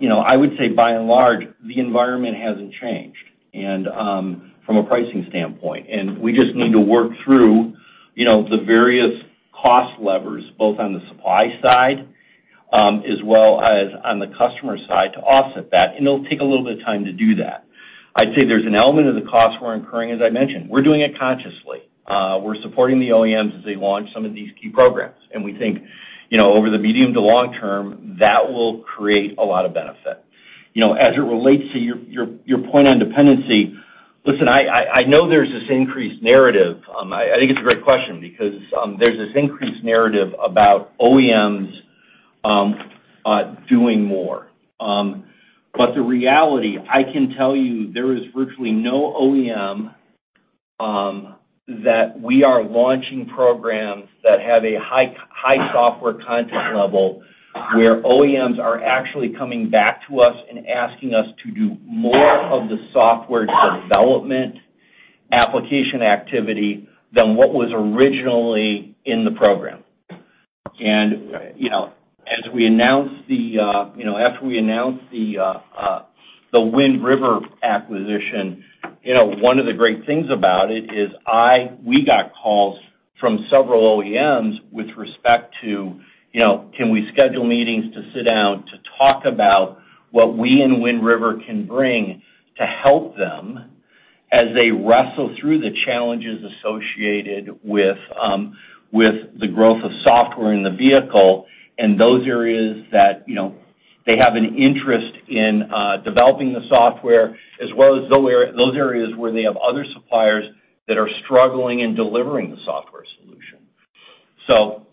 S3: You know, I would say by and large, the environment hasn't changed and, from a pricing standpoint. We just need to work through, you know, the various cost levers, both on the supply side, as well as on the customer side to offset that, and it'll take a little bit of time to do that. I'd say there's an element of the costs we're incurring, as I mentioned. We're doing it consciously. We're supporting the OEMs as they launch some of these key programs. We think, you know, over the medium to long term, that will create a lot of benefit. You know, as it relates to your point on dependency, listen, I know there's this increased narrative. I think it's a great question because there's this increased narrative about OEMs doing more. The reality, I can tell you there is virtually no OEM that we are launching programs that have a high software content level where OEMs are actually coming back to us and asking us to do more of the software development application activity than what was originally in the program. You know, after we announced the Wind River acquisition, you know, one of the great things about it is we got calls from several OEMs with respect to, you know, can we schedule meetings to sit down to talk about what we and Wind River can bring to help them as they wrestle through the challenges associated with the growth of software in the vehicle and those areas that, you know, they have an interest in developing the software, as well as those areas where they have other suppliers that are struggling in delivering the software solution.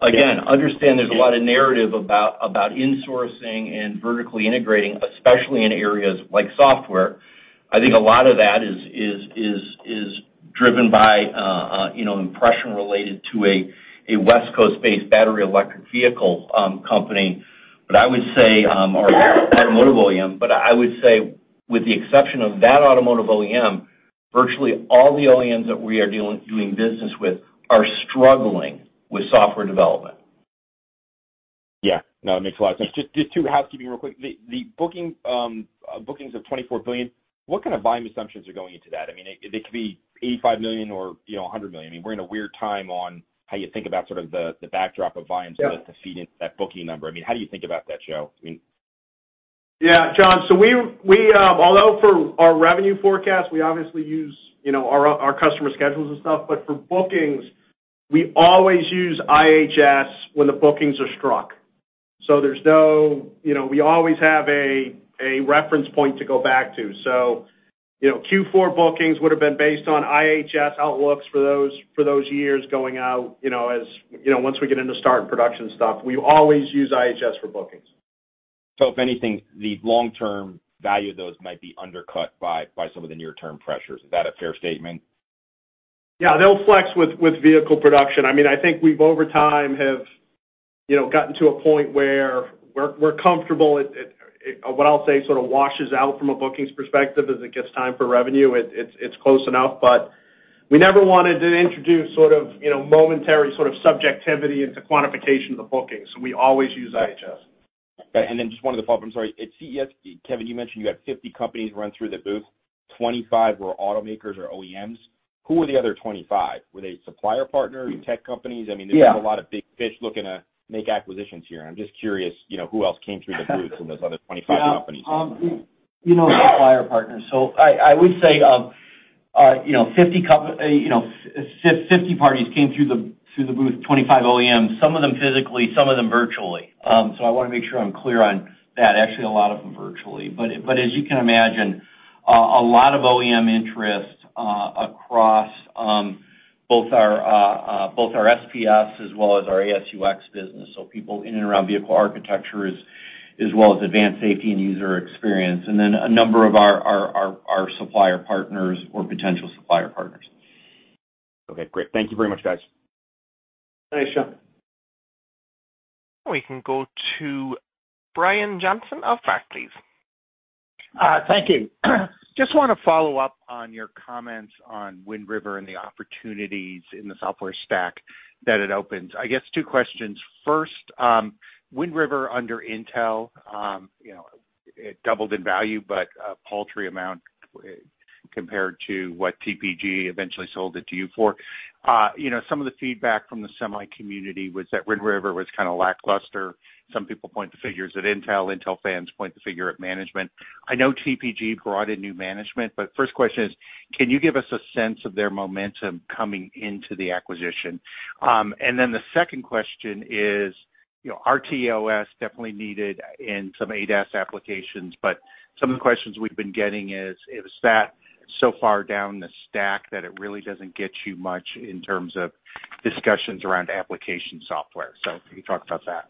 S3: Again, understand there's a lot of narrative about insourcing and vertically integrating, especially in areas like software. I think a lot of that is driven by you know impression related to a West Coast-based battery electric vehicle company. I would say or automotive OEM but I would say with the exception of that automotive OEM virtually all the OEMs that we are doing business with are struggling with software development.
S9: Yeah. No, that makes a lot of sense. Just two housekeeping real quick. The bookings of $24 billion, what kind of volume assumptions are going into that? I mean, it could be 85 million or, you know, 100 million. I mean, we're in a weird time on how you think about sort of the backdrop of volumes.
S3: Yeah.
S9: to feed into that booking number. I mean, how do you think about that, Joe? I mean
S4: Yeah, John. Although for our revenue forecast, we obviously use, you know, our customer schedules and stuff, but for bookings, we always use IHS when the bookings are struck. You know, we always have a reference point to go back to. Q4 bookings would have been based on IHS outlooks for those years going out, you know, as you know, once we get into start production stuff, we always use IHS for bookings.
S9: If anything, the long-term value of those might be undercut by some of the near-term pressures. Is that a fair statement?
S4: Yeah. They'll flex with vehicle production. I mean, I think we've over time gotten to a point where we're comfortable. What I'll say, sort of washes out from a bookings perspective as it gets time for revenue. It's close enough. We never wanted to introduce sort of, you know, momentary sort of subjectivity into quantification of the bookings. We always use IHS.
S9: Okay. Just one of the follow-up. I'm sorry. At CES, Kevin, you mentioned you had 50 companies run through the booth, 25 were automakers or OEMs. Who were the other 25? Were they supplier partners, tech companies?
S4: Yeah.
S9: I mean, there's been a lot of big fish looking to make acquisitions here, and I'm just curious, you know, who else came through the booth in those other 25 companies.
S3: Yeah. You know, supplier partners. I would say 50 parties came through the booth, 25 OEMs, some of them physically, some of them virtually. I wanna make sure I'm clear on that. Actually, a lot of them virtually. As you can imagine, a lot of OEM interest across both our SPS as well as our ASUX business. People in and around vehicle architecture as well as advanced safety and user experience. A number of our supplier partners or potential supplier partners.
S9: Okay, great. Thank you very much, guys.
S4: Thanks, John.
S1: We can go to Brian Johnson of Barclays.
S10: Thank you. Just wanna follow up on your comments on Wind River and the opportunities in the software stack that it opens. I guess two questions. First, Wind River under Intel, you know, it doubled in value, but a paltry amount compared to what TPG eventually sold it to you for. You know, some of the feedback from the semi community was that Wind River was kinda lackluster. Some people point the fingers at Intel. Intel fans point the finger at management. I know TPG brought in new management, but first question is, can you give us a sense of their momentum coming into the acquisition? The second question is, you know, RTOS definitely needed in some ADAS applications, but some of the questions we've been getting is that so far down the stack that it really doesn't get you much in terms of discussions around application software. Can you talk about that?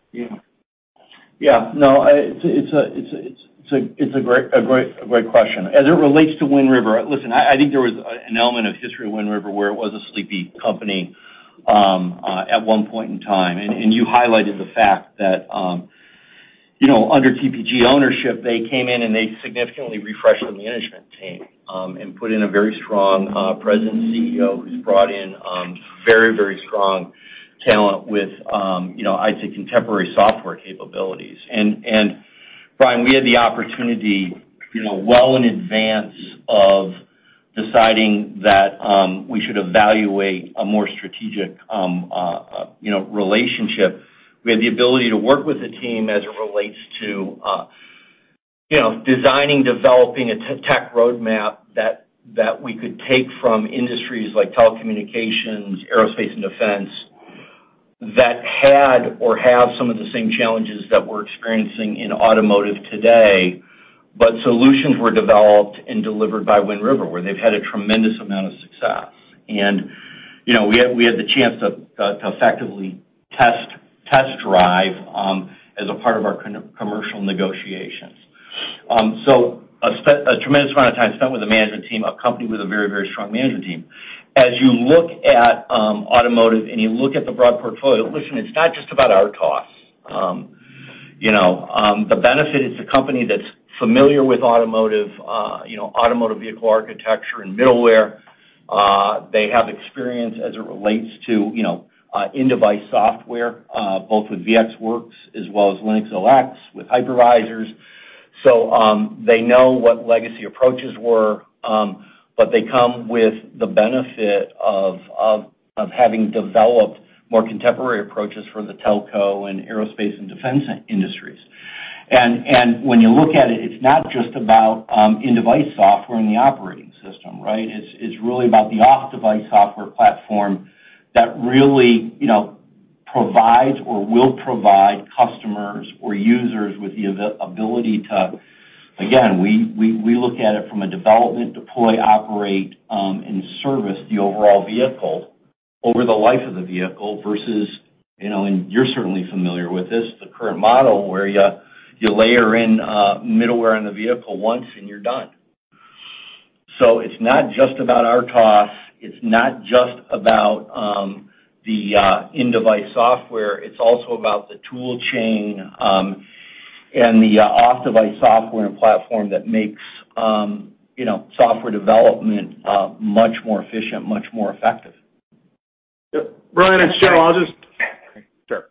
S3: It's a great question. As it relates to Wind River, listen, I think there was an element of history of Wind River where it was a sleepy company at one point in time. You highlighted the fact that you know, under TPG ownership, they came in and they significantly refreshed the management team and put in a very strong president CEO, who's brought in very strong talent with you know, I'd say contemporary software capabilities. Brian, we had the opportunity you know, well in advance of deciding that we should evaluate a more strategic you know, relationship. We had the ability to work with the team as it relates to, you know, designing, developing a TTTech roadmap that we could take from industries like telecommunications, aerospace and defense, that had or have some of the same challenges that we're experiencing in automotive today. Solutions were developed and delivered by Wind River, where they've had a tremendous amount of success. You know, we had the chance to effectively test drive as a part of our commercial negotiations. A tremendous amount of time spent with the management team, a company with a very strong management team. As you look at automotive and you look at the broad portfolio, listen, it's not just about RTOS. You know, the benefit is the company that's familiar with automotive, you know, automotive vehicle architecture and middleware. They have experience as it relates to, you know, in-device software, both with VxWorks as well as Linux, with hypervisors. They know what legacy approaches were, but they come with the benefit of having developed more contemporary approaches for the telco and aerospace and defense industries. When you look at it's not just about in-device software and the operating system, right? It's really about the off-device software platform that really, you know, provides or will provide customers or users with the availability to. Again, we look at it from a development, deploy, operate, and service the overall vehicle over the life of the vehicle versus, you know, and you're certainly familiar with this, the current model where you layer in middleware in the vehicle once, and you're done. It's not just about RTOS, it's not just about the in-device software, it's also about the tool chain, and the off-device software and platform that makes, you know, software development much more efficient, much more effective.
S4: Yep. Brian and Sean, I'll just-
S3: Sure.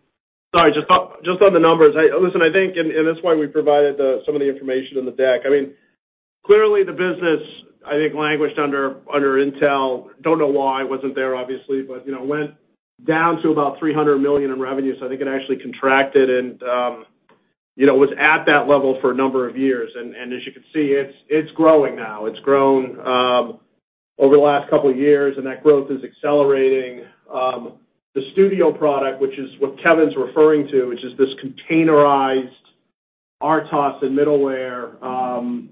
S4: Sorry, just on the numbers. Listen, I think, and this is why we provided some of the information on the deck. I mean, clearly the business, I think, languished under Intel. Don't know why. Wasn't there, obviously. You know, went down to about $300 million in revenue. I think it actually contracted and, you know, was at that level for a number of years. As you can see, it's growing now. It's grown over the last couple years, and that growth is accelerating. The studio product, which is what Kevin's referring to, which is this containerized RTOS and middleware,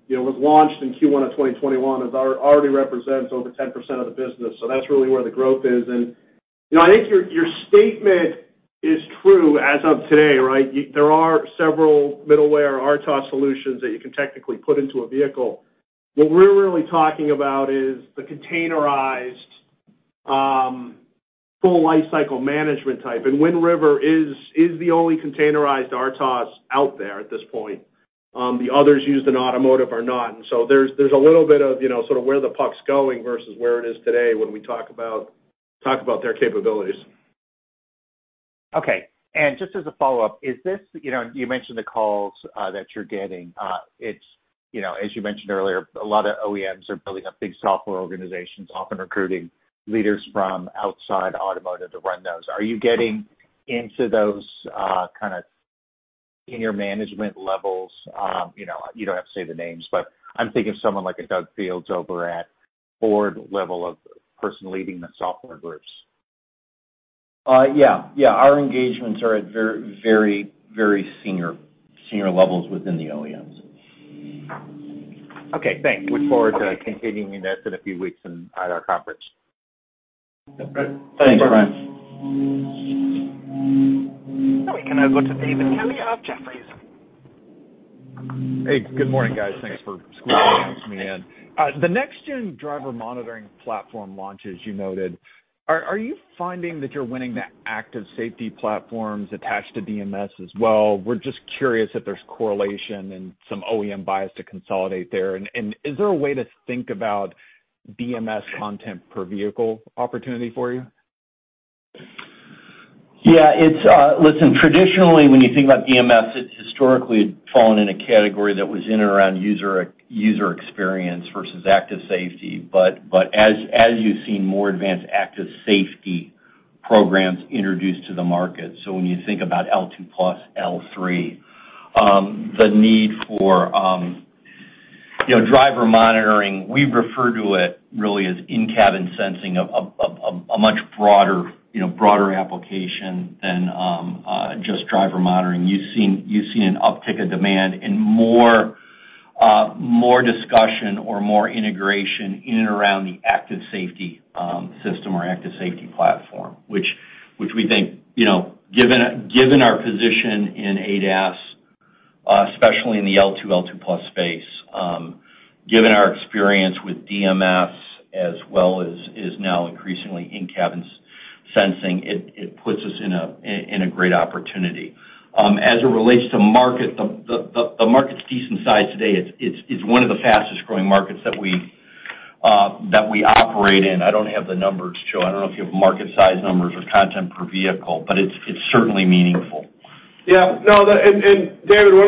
S4: you know, was launched in Q1 of 2021. It already represents over 10% of the business, that's really where the growth is. You know, I think your statement is true as of today, right? There are several middleware RTOS solutions that you can technically put into a vehicle. What we're really talking about is the containerized full lifecycle management type. Wind River is the only containerized RTOS out there at this point. The others used in automotive are not. There's a little bit of, you know, sort of where the puck's going versus where it is today when we talk about their capabilities.
S10: Okay. Just as a follow-up, is this you know, you mentioned the calls that you're getting. It's, you know, as you mentioned earlier, a lot of OEMs are building up big software organizations, often recruiting leaders from outside automotive to run those. Are you getting into those kind of senior management levels? You know, you don't have to say the names, but I'm thinking of someone like a Doug Field over at Ford level of person leading the software groups.
S3: Yeah. Our engagements are at very senior levels within the OEMs.
S10: Okay, thanks. Look forward to continuing this in a few weeks at our conference.
S3: Thanks.
S4: Sure.
S1: Now we can go to David Kelley of Jefferies.
S11: Hey, good morning, guys. Thanks for squeezing me in. The next-gen driver monitoring platform launch, as you noted, are you finding that you're winning the active safety platforms attached to DMS as well? We're just curious if there's correlation and some OEM bias to consolidate there. Is there a way to think about DMS content per vehicle opportunity for you?
S3: Traditionally, when you think about DMS, it's historically fallen in a category that was in and around User Experience versus Active Safety. As you've seen more advanced active safety programs introduced to the market, when you think about L2+, L3, the need for you know, driver monitoring, we refer to it really as in-cabin sensing of a much broader you know, broader application than just driver monitoring. You've seen, you see an uptick of demand and more discussion or more integration in and around the Active Safety system or Active Safety platform, which we think, you know, given our position in ADAS, especially in the L2+ space, given our experience with DMS as well as now increasingly in-cabin sensing, it puts us in a great opportunity. As it relates to market, the market's a decent size today. It's one of the fastest-growing markets that we operate in. I don't have the numbers to show. I don't know if you have market size numbers or content per vehicle, but it's certainly meaningful.
S4: David, one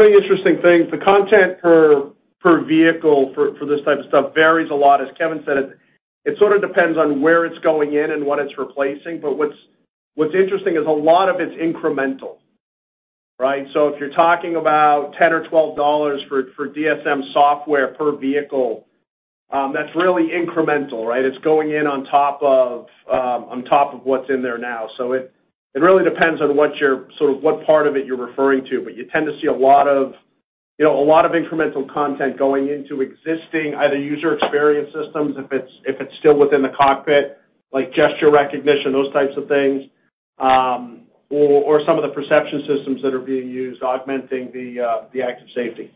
S4: of the interesting things, the content per vehicle for this type of stuff varies a lot. As Kevin said, it sort of depends on where it's going in and what it's replacing. What's interesting is a lot of it's incremental, right? If you're talking about $10-$12 for DMS software per vehicle, that's really incremental, right? It's going in on top of what's in there now. It really depends on sort of what part of it you're referring to. You tend to see a lot of, you know, a lot of incremental content going into existing, either User Experience systems, if it's still within the cockpit, like gesture recognition, those types of things, or some of the perception systems that are being used, augmenting the Active Safety.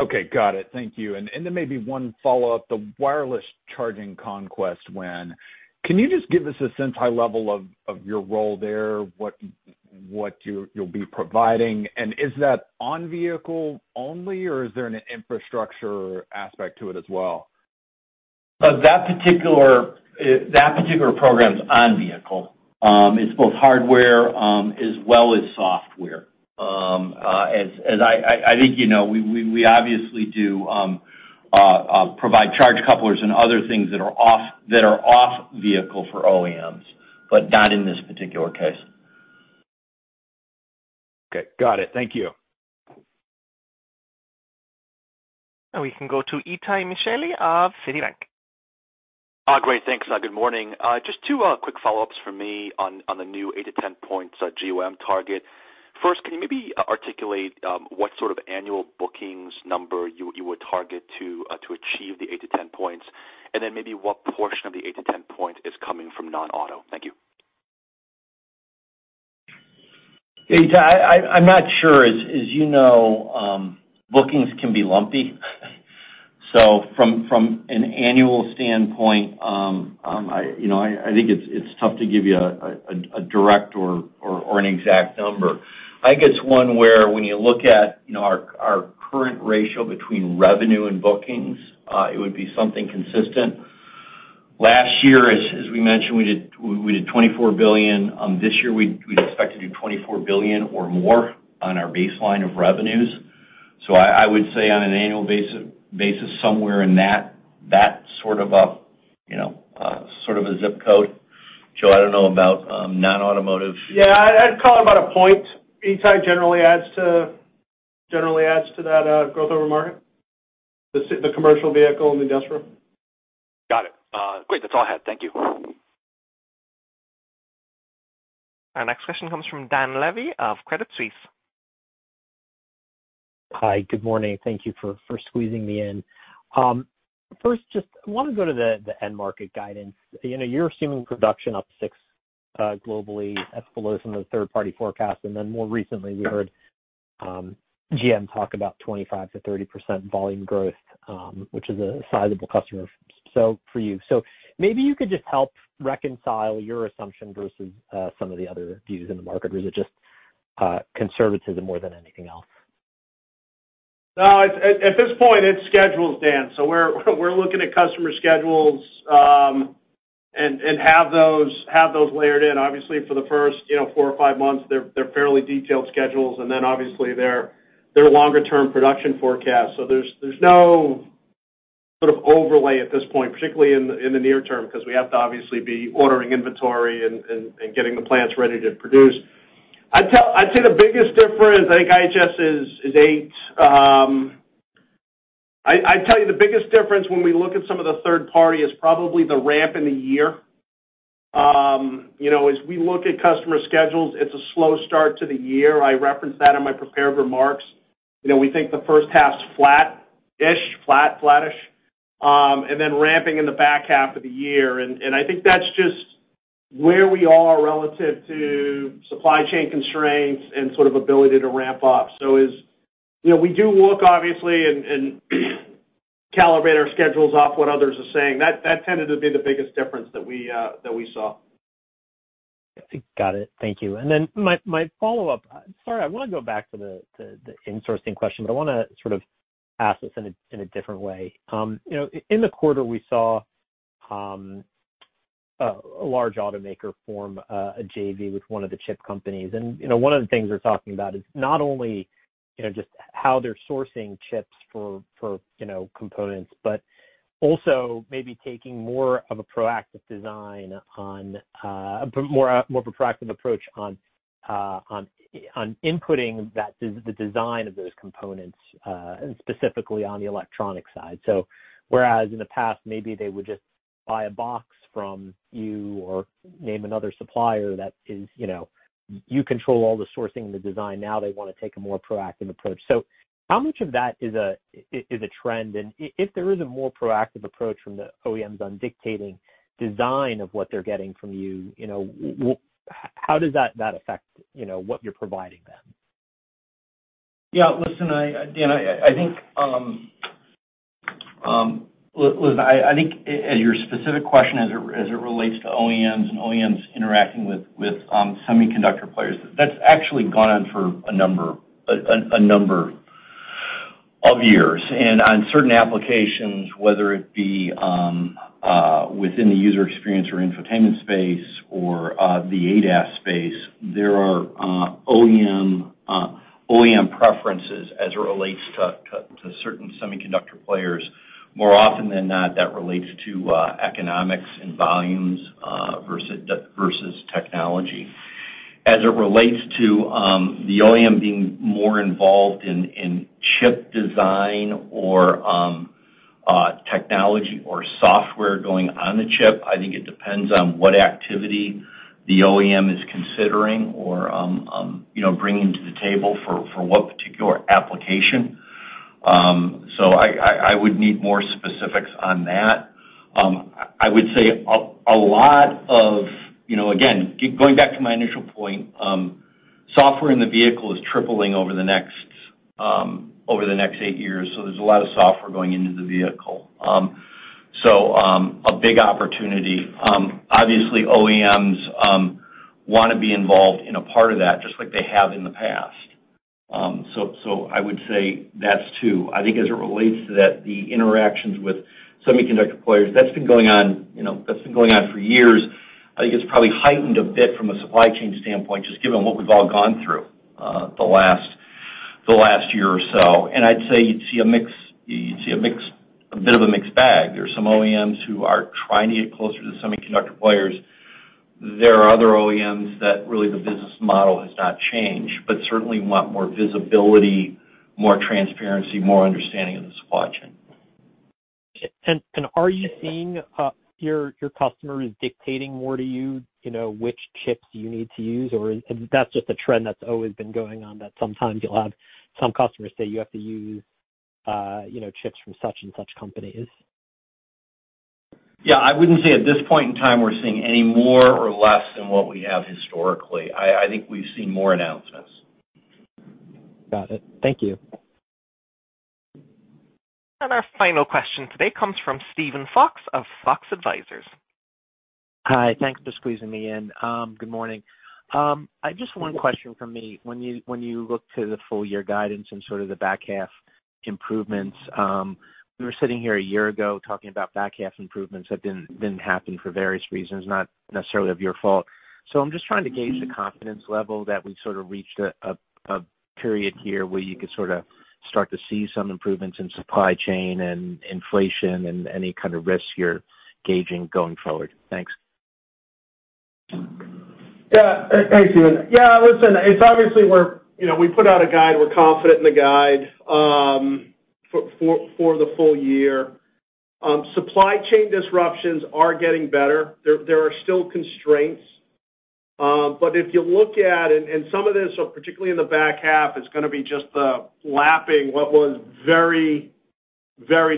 S11: Okay. Got it. Thank you. Then maybe one follow-up, the wireless charging conquest win. Can you just give us a sense, high level of your role there? What you'll be providing? Is that on vehicle only, or is there an infrastructure aspect to it as well?
S3: That particular program is on vehicle. It's both hardware as well as software. As I think you know, we obviously do provide charge couplers and other things that are off vehicle for OEMs, but not in this particular case.
S11: Okay. Got it. Thank you.
S1: Now we can go to Itay Michaeli of Citi.
S12: Great. Thanks. Good morning. Just two quick follow-ups for me on the new 8-10 points GOM target. First, can you maybe articulate what sort of annual bookings number you would target to achieve the 8-10 points, and then maybe what portion of the 8-10 point is coming from non-auto? Thank you.
S3: Yeah, Itay, I'm not sure. As you know, bookings can be lumpy. From an annual standpoint, you know, I think it's tough to give you a direct or an exact number. I think it's one where when you look at, you know, our current ratio between revenue and bookings, it would be something consistent. Last year, as we mentioned, we did $24 billion. This year, we'd expect to do $24 billion or more on our baseline of revenues. I would say on an annual basis, somewhere in that sort of a zip code. Joe, I don't know about non-automotive.
S4: Yeah, I'd call it about a point. Itay generally adds to that growth over market. The commercial vehicle and the industrial.
S12: Got it. Great. That's all I had. Thank you.
S1: Our next question comes from Dan Levy of Credit Suisse.
S13: Hi. Good morning. Thank you for squeezing me in. First, just wanna go to the end market guidance. You know, you're assuming production up 6% globally. That's below some of the third-party forecasts. More recently, we heard GM talk about 25%-30% volume growth, which is a sizable customer for you. Maybe you could just help reconcile your assumption versus some of the other views in the market. Or is it just conservatism more than anything else?
S4: No, at this point, it's schedules, Dan. We're looking at customer schedules, and have those layered in. Obviously, for the first, you know, four or five months, they're fairly detailed schedules. Then obviously they're longer term production forecasts. There's no sort of overlay at this point, particularly in the near term, because we have to obviously be ordering inventory and getting the plants ready to produce. I'd say the biggest difference, I think IHS is 8. I'd tell you the biggest difference when we look at some of the third-party is probably the ramp in the year. You know, as we look at customer schedules, it's a slow start to the year. I referenced that in my prepared remarks. You know, we think the first half's flattish and then ramping in the back half of the year. I think that's just where we are relative to supply chain constraints and sort of ability to ramp up. You know, we do look obviously and calibrate our schedules off what others are saying. That tended to be the biggest difference that we saw.
S13: Got it. Thank you. Then my follow-up. Sorry, I want to go back to the insourcing question, but I want to sort of ask this in a different way. You know, in the quarter, we saw a large automaker form a JV with one of the chip companies. You know, one of the things we're talking about is not only just how they're sourcing chips for components, but also maybe taking more of a proactive design on a more proactive approach on inputting the design of those components, and specifically on the electronic side. Whereas in the past maybe they would just buy a box from you or name another supplier that is, you know, you control all the sourcing and the design. Now they wanna take a more proactive approach. How much of that is a trend? If there is a more proactive approach from the OEMs on dictating design of what they're getting from you know, how does that affect, you know, what you're providing them?
S3: Yeah. Listen, Dan, I think as your specific question, as it relates to OEMs interacting with semiconductor players, that's actually gone on for a number of years. On certain applications, whether it be within the user experience or infotainment space or the ADAS space, there are OEM preferences as it relates to certain semiconductor players. More often than not, that relates to economics and volumes versus technology. As it relates to the OEM being more involved in chip design or technology or software going on the chip, I think it depends on what activity the OEM is considering or you know, bringing to the table for what particular application. I would need more specifics on that. I would say a lot of, you know, again, going back to my initial point, software in the vehicle is tripling over the next eight years, so there's a lot of software going into the vehicle. A big opportunity. Obviously OEMs wanna be involved in a part of that, just like they have in the past. I would say that's two. I think as it relates to that, the interactions with semiconductor players, that's been going on, you know, for years. I think it's probably heightened a bit from a supply chain standpoint, just given what we've all gone through, the last year or so. I'd say you'd see a mix, a bit of a mixed bag. There are some OEMs who are trying to get closer to semiconductor players. There are other OEMs that really the business model has not changed, but certainly want more visibility, more transparency, more understanding of the supply chain.
S13: Are you seeing your customers dictating more to you know, which chips you need to use? Or is that just a trend that's always been going on, that sometimes you'll have some customers say you have to use, you know, chips from such and such companies.
S3: Yeah. I wouldn't say at this point in time we're seeing any more or less than what we have historically. I think we've seen more announcements.
S13: Got it. Thank you.
S1: Our final question today comes from Steven Fox of Fox Advisors.
S14: Hi. Thanks for squeezing me in. Good morning. I have just one question from me. When you look to the full year guidance and sort of the back half improvements, we were sitting here a year ago talking about back half improvements that didn't happen for various reasons, not necessarily your fault. I'm just trying to gauge the confidence level that we've sort of reached a period here where you could sorta start to see some improvements in supply chain and inflation and any kind of risks you're gauging going forward. Thanks.
S4: Yeah. Hey, Steven. Yeah, listen, it's obviously we're, you know, we put out a guide. We're confident in the guide for the full year. Supply chain disruptions are getting better. There are still constraints. But if you look at it, and some of this, particularly in the back half, is gonna be just the lapping what was very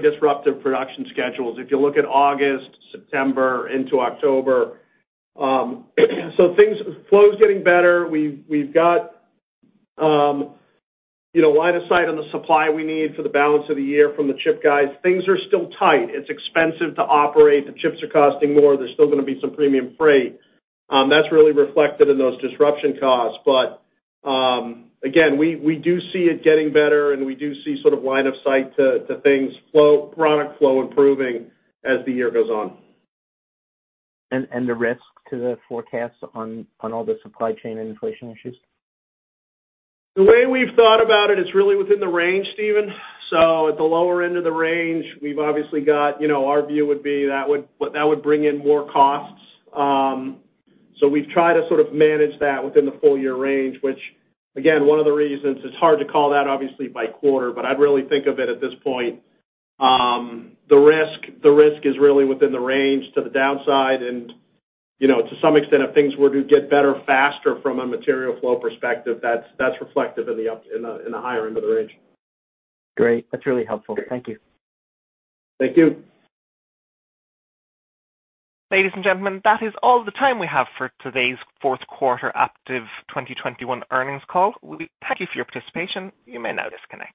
S4: disruptive production schedules. If you look at August, September into October, so things flow is getting better. We've got, you know, line of sight on the supply we need for the balance of the year from the chip guys. Things are still tight. It's expensive to operate. The chips are costing more. There's still gonna be some premium freight. That's really reflected in those disruption costs. Again, we do see it getting better, and we do see sort of line of sight to things flow, product flow improving as the year goes on.
S14: The risk to the forecast on all the supply chain and inflation issues?
S4: The way we've thought about it's really within the range, Steven. At the lower end of the range, we've obviously got, you know, our view would be that would bring in more costs. We've tried to sort of manage that within the full year range, which again, one of the reasons it's hard to call that obviously by quarter, but I'd really think of it at this point. The risk is really within the range to the downside and, you know, to some extent, if things were to get better faster from a material flow perspective, that's reflective in the higher end of the range.
S14: Great. That's really helpful. Thank you.
S4: Thank you.
S1: Ladies and gentlemen, that is all the time we have for today's fourth quarter Aptiv 2021 earnings call. We thank you for your participation. You may now disconnect.